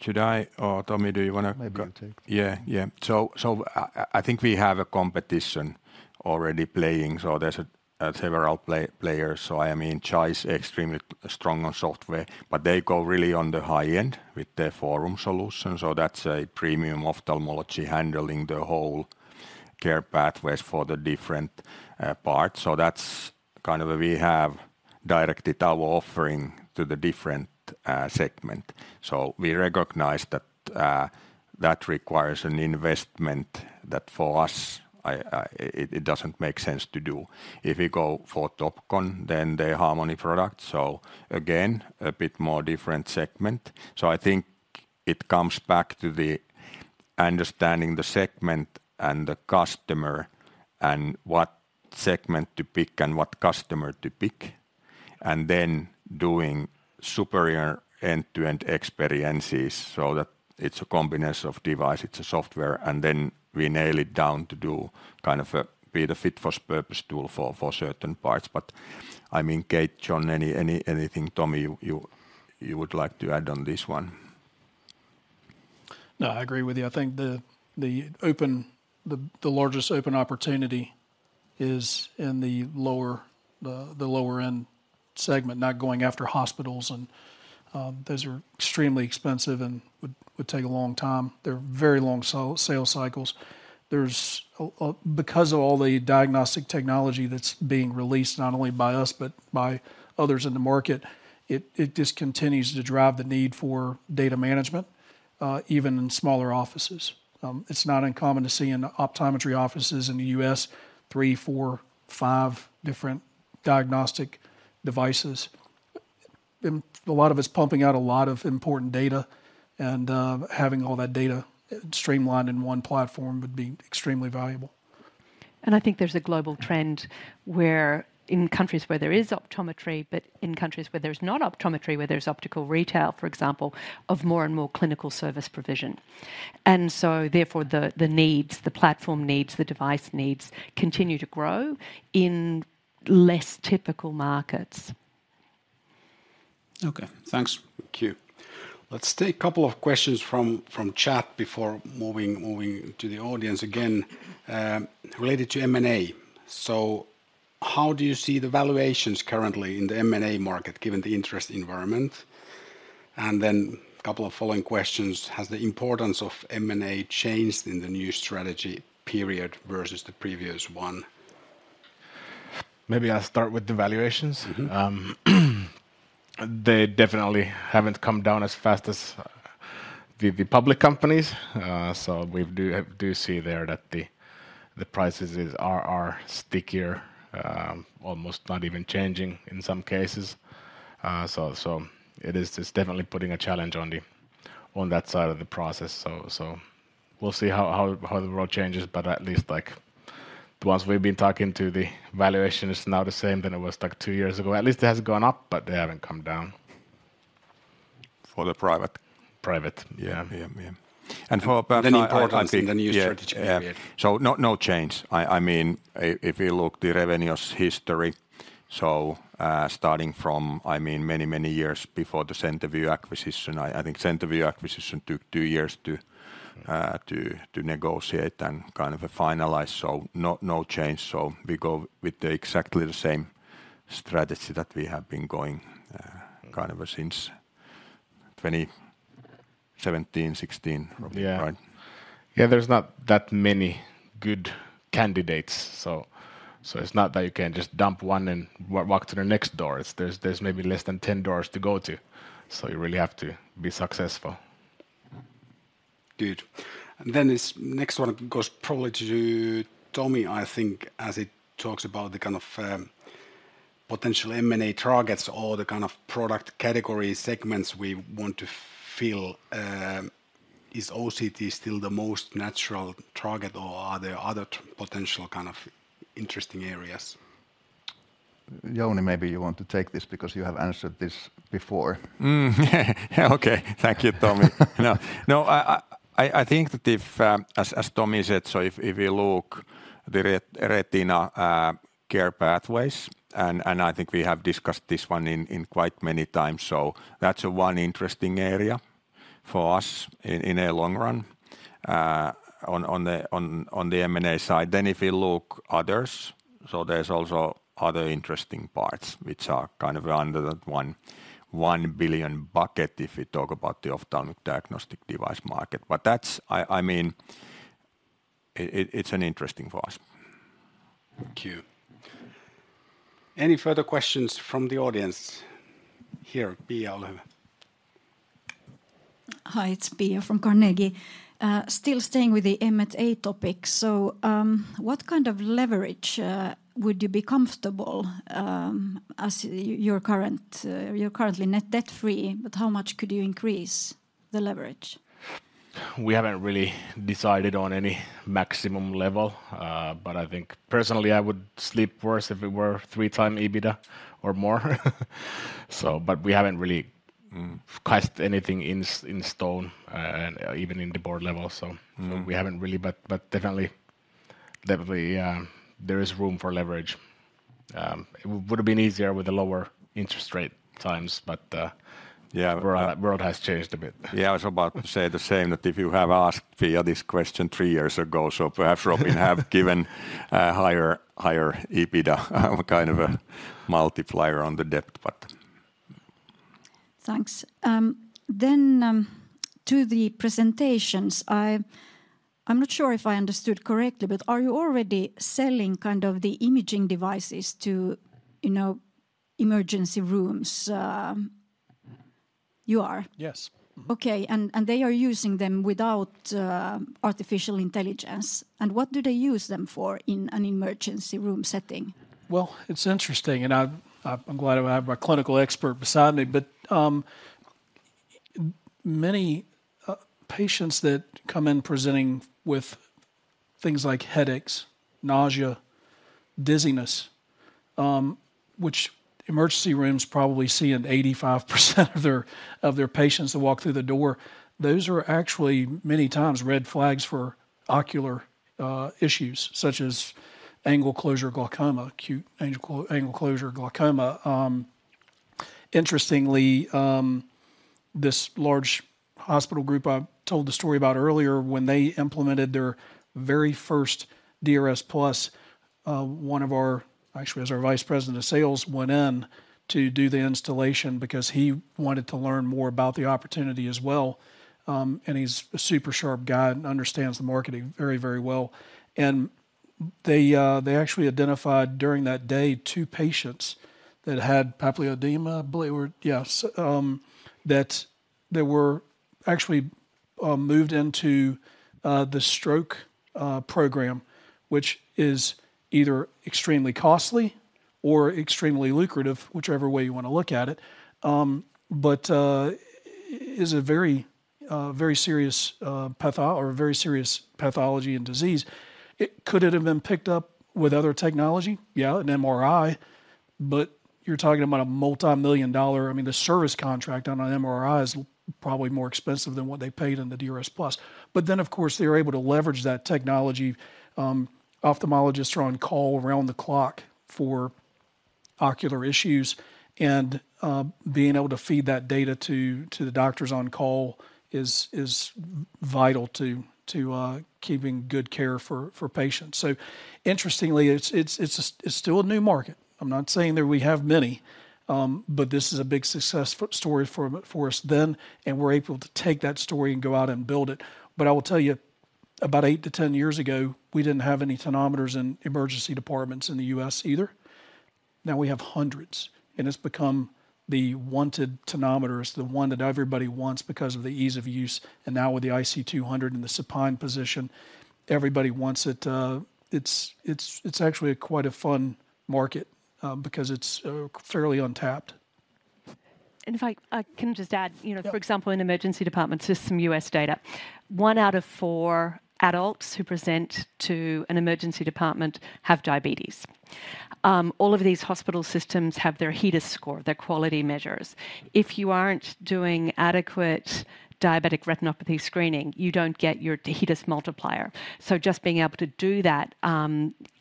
Speaker 3: Should I or, Tomi, do you wanna-
Speaker 1: Maybe you take.
Speaker 3: Yeah, yeah. So, I think we have a competition already playing, so there's several players. So, I mean, Zeiss extremely strong on software, but they go really on the high end with their FORUM solution. So that's a premium ophthalmology, handling the whole care pathways for the different parts. So that's kind of we have directed our offering to the different segment. So we recognize that that requires an investment that for us, it doesn't make sense to do. If you go for Topcon, then the Harmony product, so again, a bit more different segment. So I think it comes back to the understanding the segment and the customer and what segment to pick and what customer to pick, and then doing superior end-to-end experiences so that it's a combination of device, it's a software, and then we nail it down to do kind of a be the fit-for-purpose tool for, for certain parts. But I mean, Kate, John, any, any—anything, Tomi, you, you, you would like to add on this one?
Speaker 5: No, I agree with you. I think the largest open opportunity is in the lower end segment, not going after hospitals and those are extremely expensive and would take a long time. They're very long sales cycles. Because of all the diagnostic technology that's being released, not only by us, but by others in the market, it just continues to drive the need for data management even in smaller offices. It's not uncommon to see in optometry offices in the U.S., three, four, five different diagnostic devices, and a lot of it's pumping out a lot of important data, and having all that data streamlined in one platform would be extremely valuable.
Speaker 9: I think there's a global trend where in countries where there is optometry, but in countries where there's not optometry, where there's optical retail, for example, of more and more clinical service provision. So therefore, the needs, the platform needs, the device needs, continue to grow in less typical markets.
Speaker 3: Okay, thanks.
Speaker 4: Thank you. Let's take couple of questions from chat before moving to the audience again. Related to M&A: "So how do you see the valuations currently in the M&A market, given the interest environment?" And then couple of following questions: "Has the importance of M&A changed in the new strategy period versus the previous one?
Speaker 6: Maybe I'll start with the valuations.
Speaker 4: Mm-hmm.
Speaker 6: They definitely haven't come down as fast as the public companies. So we do see there that the prices are stickier, almost not even changing in some cases. So it is definitely putting a challenge on that side of the process. So we'll see how the world changes, but at least, like, the ones we've been talking to, the valuation is not the same than it was like two years ago. At least it hasn't gone up, but they haven't come down.
Speaker 4: For the private?
Speaker 6: Private.
Speaker 4: Yeah.
Speaker 6: Yeah, yeah.
Speaker 4: For perhaps—
Speaker 3: The importance in the new strategy period. Yeah, yeah. So no, no change. I mean, if you look at the revenue history, starting from, I mean, many, many years before the CenterVue acquisition, I think the CenterVue acquisition took two years to negotiate and kind of finalize. So no, no change. So we go with exactly the same strategy that we have been going.
Speaker 6: Mm
Speaker 3: Kind of since 2017, 2016, probably.
Speaker 6: Yeah.
Speaker 4: Right?
Speaker 6: Yeah, there's not that many good candidates, so it's not that you can just dump one and walk to the next door. There's maybe less than 10 doors to go to, so you really have to be successful.
Speaker 4: Good. And then this next one goes probably to Tomi, I think, as it talks about the kind of potential M&A targets or the kind of product category segments we want to fill. Is OCT still the most natural target, or are there other potential kind of interesting areas?
Speaker 1: Jouni, maybe you want to take this because you have answered this before.
Speaker 3: Okay. Thank you, Tomi. No, no, I think that if, as Tomi said, so if you look at the retina care pathways, and I think we have discussed this one in quite many times, so that's one interesting area for us in the long run, on the M&A side. Then if you look at others, so there's also other interesting parts which are kind of under the 1 billion bucket, if we talk about the ophthalmic diagnostic device market. But that's. I mean, it's interesting for us.
Speaker 4: Thank you. Any further questions from the audience? Here, Pia, go ahead.
Speaker 7: Hi, it's Pia from Carnegie. Still staying with the M&A topic, so, what kind of leverage would you be comfortable as your current, you're currently net debt-free, but how much could you increase the leverage?
Speaker 6: We haven't really decided on any maximum level, but I think personally, I would sleep worse if it were 3x EBITDA or more. So, but we haven't really cast anything in stone, even in the board level.
Speaker 4: Mm.
Speaker 6: So we haven't really. But definitely, yeah, there is room for leverage. It would've been easier with the lower interest rate times, but-
Speaker 3: Yeah
Speaker 6: the world has changed a bit.
Speaker 3: Yeah, I was about to say the same, that if you have asked Pia this question three years ago, so perhaps... Robin have given a higher, higher EBITDA, kind of a multiplier on the debt, but.
Speaker 7: Thanks. Then, to the presentations, I'm not sure if I understood correctly, but are you already selling kind of the imaging devices to, you know, emergency rooms? You are?
Speaker 5: Yes. Well, it's interesting, and I'm glad I have my clinical expert beside me, but, many patients that come in presenting with things like headaches, nausea, dizziness, which emergency rooms probably see in 85% of their patients that walk through the door, those are actually many times red flags for ocular issues, such as angle closure glaucoma, acute angle closure glaucoma. Interestingly, this large hospital group I told the story about earlier, when they implemented their very first DRSplus, one of our, actually it was our vice president of sales, went in to do the installation because he wanted to learn more about the opportunity as well. He's a super sharp guy and understands the marketing very, very well. They actually identified during that day two patients that had papilledema, I believe, or yes, that they were actually moved into the stroke program, which is either extremely costly or extremely lucrative, whichever way you want to look at it. But it is a very, very serious pathology and disease. It could it have been picked up with other technology? Yeah, an MRI, but you're talking about a $ multi-million. I mean, the service contract on an MRI is probably more expensive than what they paid on the DRSplus. But then, of course, they were able to leverage that technology. Ophthalmologists are on call around the clock for ocular issues, and being able to feed that data to the doctors on call is vital to keeping good care for patients. So interestingly, it's still a new market. I'm not saying that we have many, but this is a big success story for us, and we're able to take that story and go out and build it. But I will tell you, about 8 years-10 years ago, we didn't have any tonometers in emergency departments in the U.S. either. Now we have hundreds, and it's become the wanted tonometer. It's the one that everybody wants because of the ease of use, and now with the IC200 in the supine position, everybody wants it. It's actually quite a fun market, because it's fairly untapped.
Speaker 9: If I can just add, you know-
Speaker 5: Yeah
Speaker 9: for example, in emergency departments, just some U.S. data, one out of four adults who present to an emergency department have diabetes. All of these hospital systems have their HEDIS score, their quality measures. If you aren't doing adequate diabetic retinopathy screening, you don't get your HEDIS multiplier. So just being able to do that,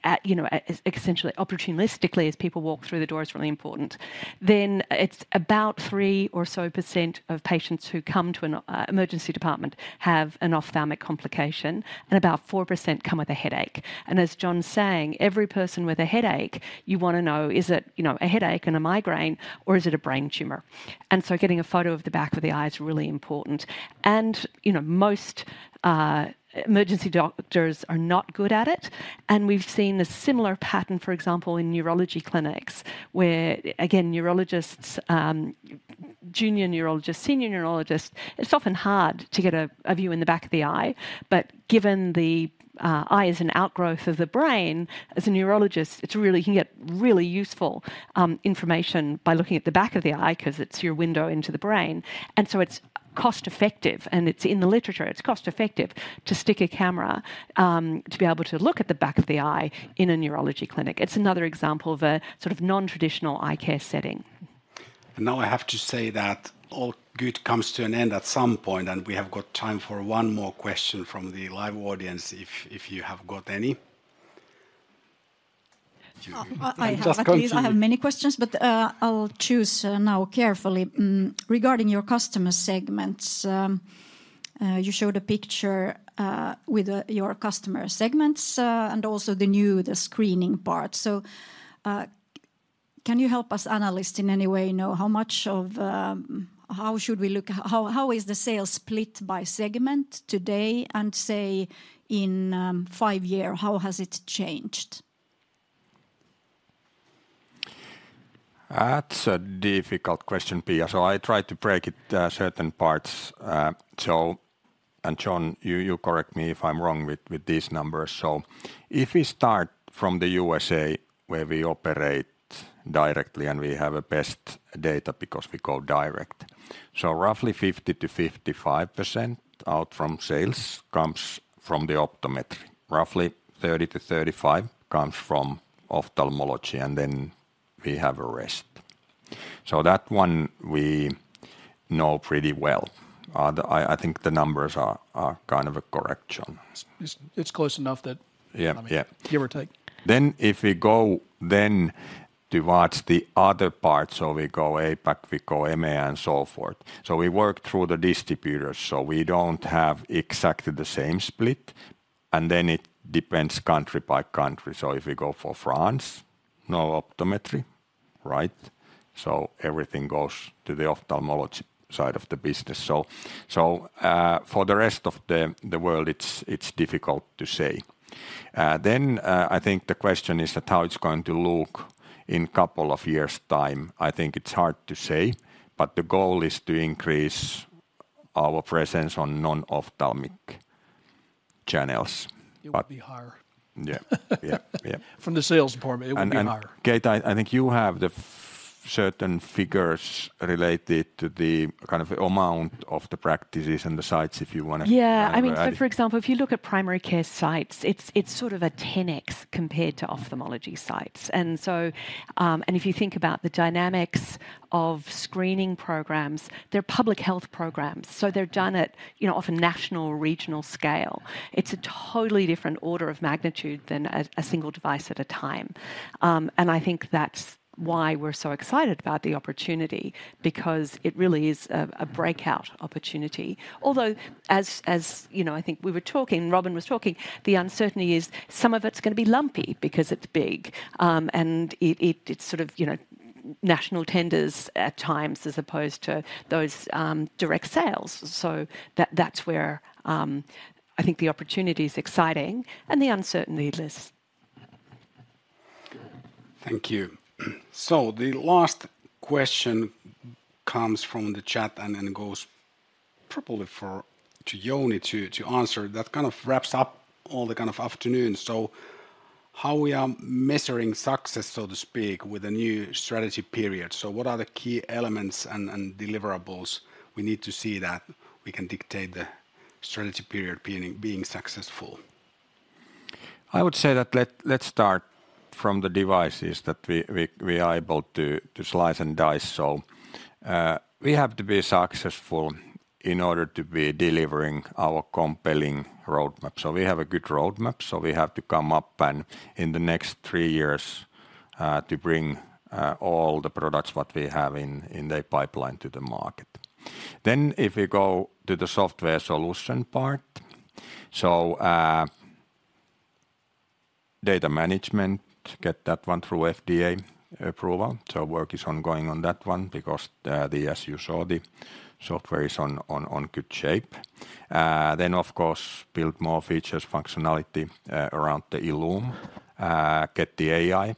Speaker 9: at, you know, essentially opportunistically, as people walk through the door, is really important. Then it's about 3% or so of patients who come to an emergency department have an ophthalmic complication, and about 4% come with a headache. And as John's saying, every person with a headache, you wanna know, is it, you know, a headache and a migraine, or is it a brain tumor? And so getting a photo of the back of the eye is really important. You know, most emergency doctors are not good at it, and we've seen a similar pattern, for example, in neurology clinics, where again, neurologists, junior neurologists, senior neurologists, it's often hard to get a view in the back of the eye. But given the eye is an outgrowth of the brain, as a neurologist, it's really. You can get really useful information by looking at the back of the eye 'cause it's your window into the brain. And so it's cost-effective, and it's in the literature. It's cost-effective to stick a camera to be able to look at the back of the eye in a neurology clinic. It's another example of a sort of non-traditional eye care setting.
Speaker 4: Now I have to say that all good comes to an end at some point, and we have got time for one more question from the live audience, if you have got any.
Speaker 7: I have-
Speaker 4: Just go to-
Speaker 7: Actually, I have many questions, but I'll choose now carefully. Regarding your customer segments, you showed a picture with your customer segments and also the new, the screening part. So, can you help us analyst in any way know how much of... How should we look - How, how is the sales split by segment today and, say, in five year, how has it changed?
Speaker 3: That's a difficult question, Pia. So I try to break it certain parts, so. And John, you correct me if I'm wrong with these numbers. So if we start from the USA, where we operate directly, and we have the best data because we go direct. So roughly 50%-55% out from sales comes from the optometry. Roughly 30%-35% comes from ophthalmology, and then we have the rest. So that one we know pretty well. I think the numbers are kind of correct, John.
Speaker 5: It's close enough that.
Speaker 3: Yeah, yeah
Speaker 5: Give or take.
Speaker 3: Then if we go then towards the other part, so we go APAC, we go EMEA, and so forth. So we work through the distributors, so we don't have exactly the same split, and then it depends country by country. So if we go for France, no optometry, right? So everything goes to the ophthalmology side of the business. For the rest of the world, it's difficult to say. Then I think the question is that how it's going to look in couple of years' time. I think it's hard to say, but the goal is to increase our presence on non-ophthalmic channels. But-
Speaker 5: It will be higher.
Speaker 3: Yeah. Yeah, yeah.
Speaker 5: From the sales department, it will be higher.
Speaker 3: Kate, I think you have the certain figures related to the kind of amount of the practices and the sites, if you wanna-
Speaker 9: Yeah
Speaker 3: kinda add.
Speaker 9: I mean, so for example, if you look at primary care sites, it's sort of a 10x compared to ophthalmology sites. And so, and if you think about the dynamics of screening programs, they're public health programs, so they're done at, you know, often national or regional scale. It's a totally different order of magnitude than a single device at a time. And I think that's why we're so excited about the opportunity because it really is a breakout opportunity. Although, as you know, I think we were talking, Robin was talking, the uncertainty is some of it's gonna be lumpy because it's big, and it, it's sort of national tenders at times, as opposed to those direct sales. So that's where I think the opportunity is exciting and the uncertainty less.
Speaker 4: Thank you. So the last question comes from the chat, and then it goes probably to Jouni Toijala to answer. That kind of wraps up all the kind of afternoon. So how we are measuring success, so to speak, with the new strategy period? So what are the key elements and deliverables we need to see that we can dictate the strategy period being successful?
Speaker 3: I would say that let's start from the devices that we are able to slice and dice. So we have to be successful in order to be delivering our compelling roadmap. So we have a good roadmap, so we have to come up and in the next three years to bring all the products what we have in the pipeline to the market. Then if you go to the software solution part, so data management, get that one through FDA approval. So work is ongoing on that one because as you saw, the software is on good shape. Then, of course, build more features, functionality around the ILLUME, get the AI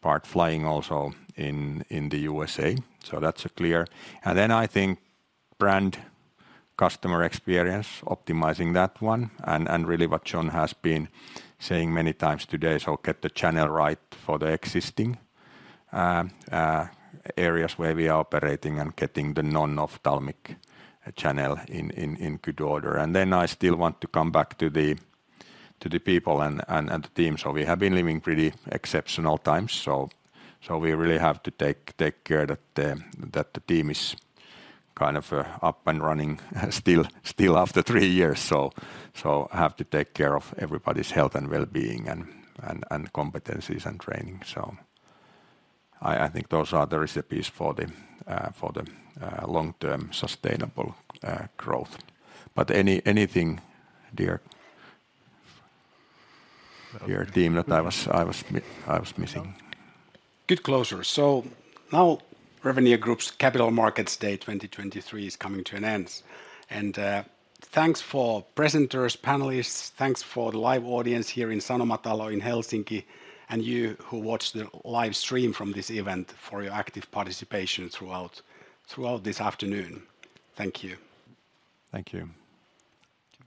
Speaker 3: part flying also in the USA, so that's clear. And then I think brand-customer experience, optimizing that one, and really what John has been saying many times today, so get the channel right for the existing areas where we are operating and getting the non-ophthalmic channel in good order. And then I still want to come back to the people and the team. So we have been living pretty exceptional times, so we really have to take care that the team is kind of up and running still after three years. So I have to take care of everybody's health and well-being and competencies and training. So I think those are the recipes for the long-term sustainable growth. But anything, dear-
Speaker 4: Well-
Speaker 3: dear team that I was missing?
Speaker 4: Good closure. So now, Revenio Group's Capital Markets Day 2023 is coming to an end. And, thanks for presenters, panelists, thanks for the live audience here in Sanomatalo in Helsinki, and you who watched the live stream from this event, for your active participation throughout, throughout this afternoon. Thank you.
Speaker 3: Thank you.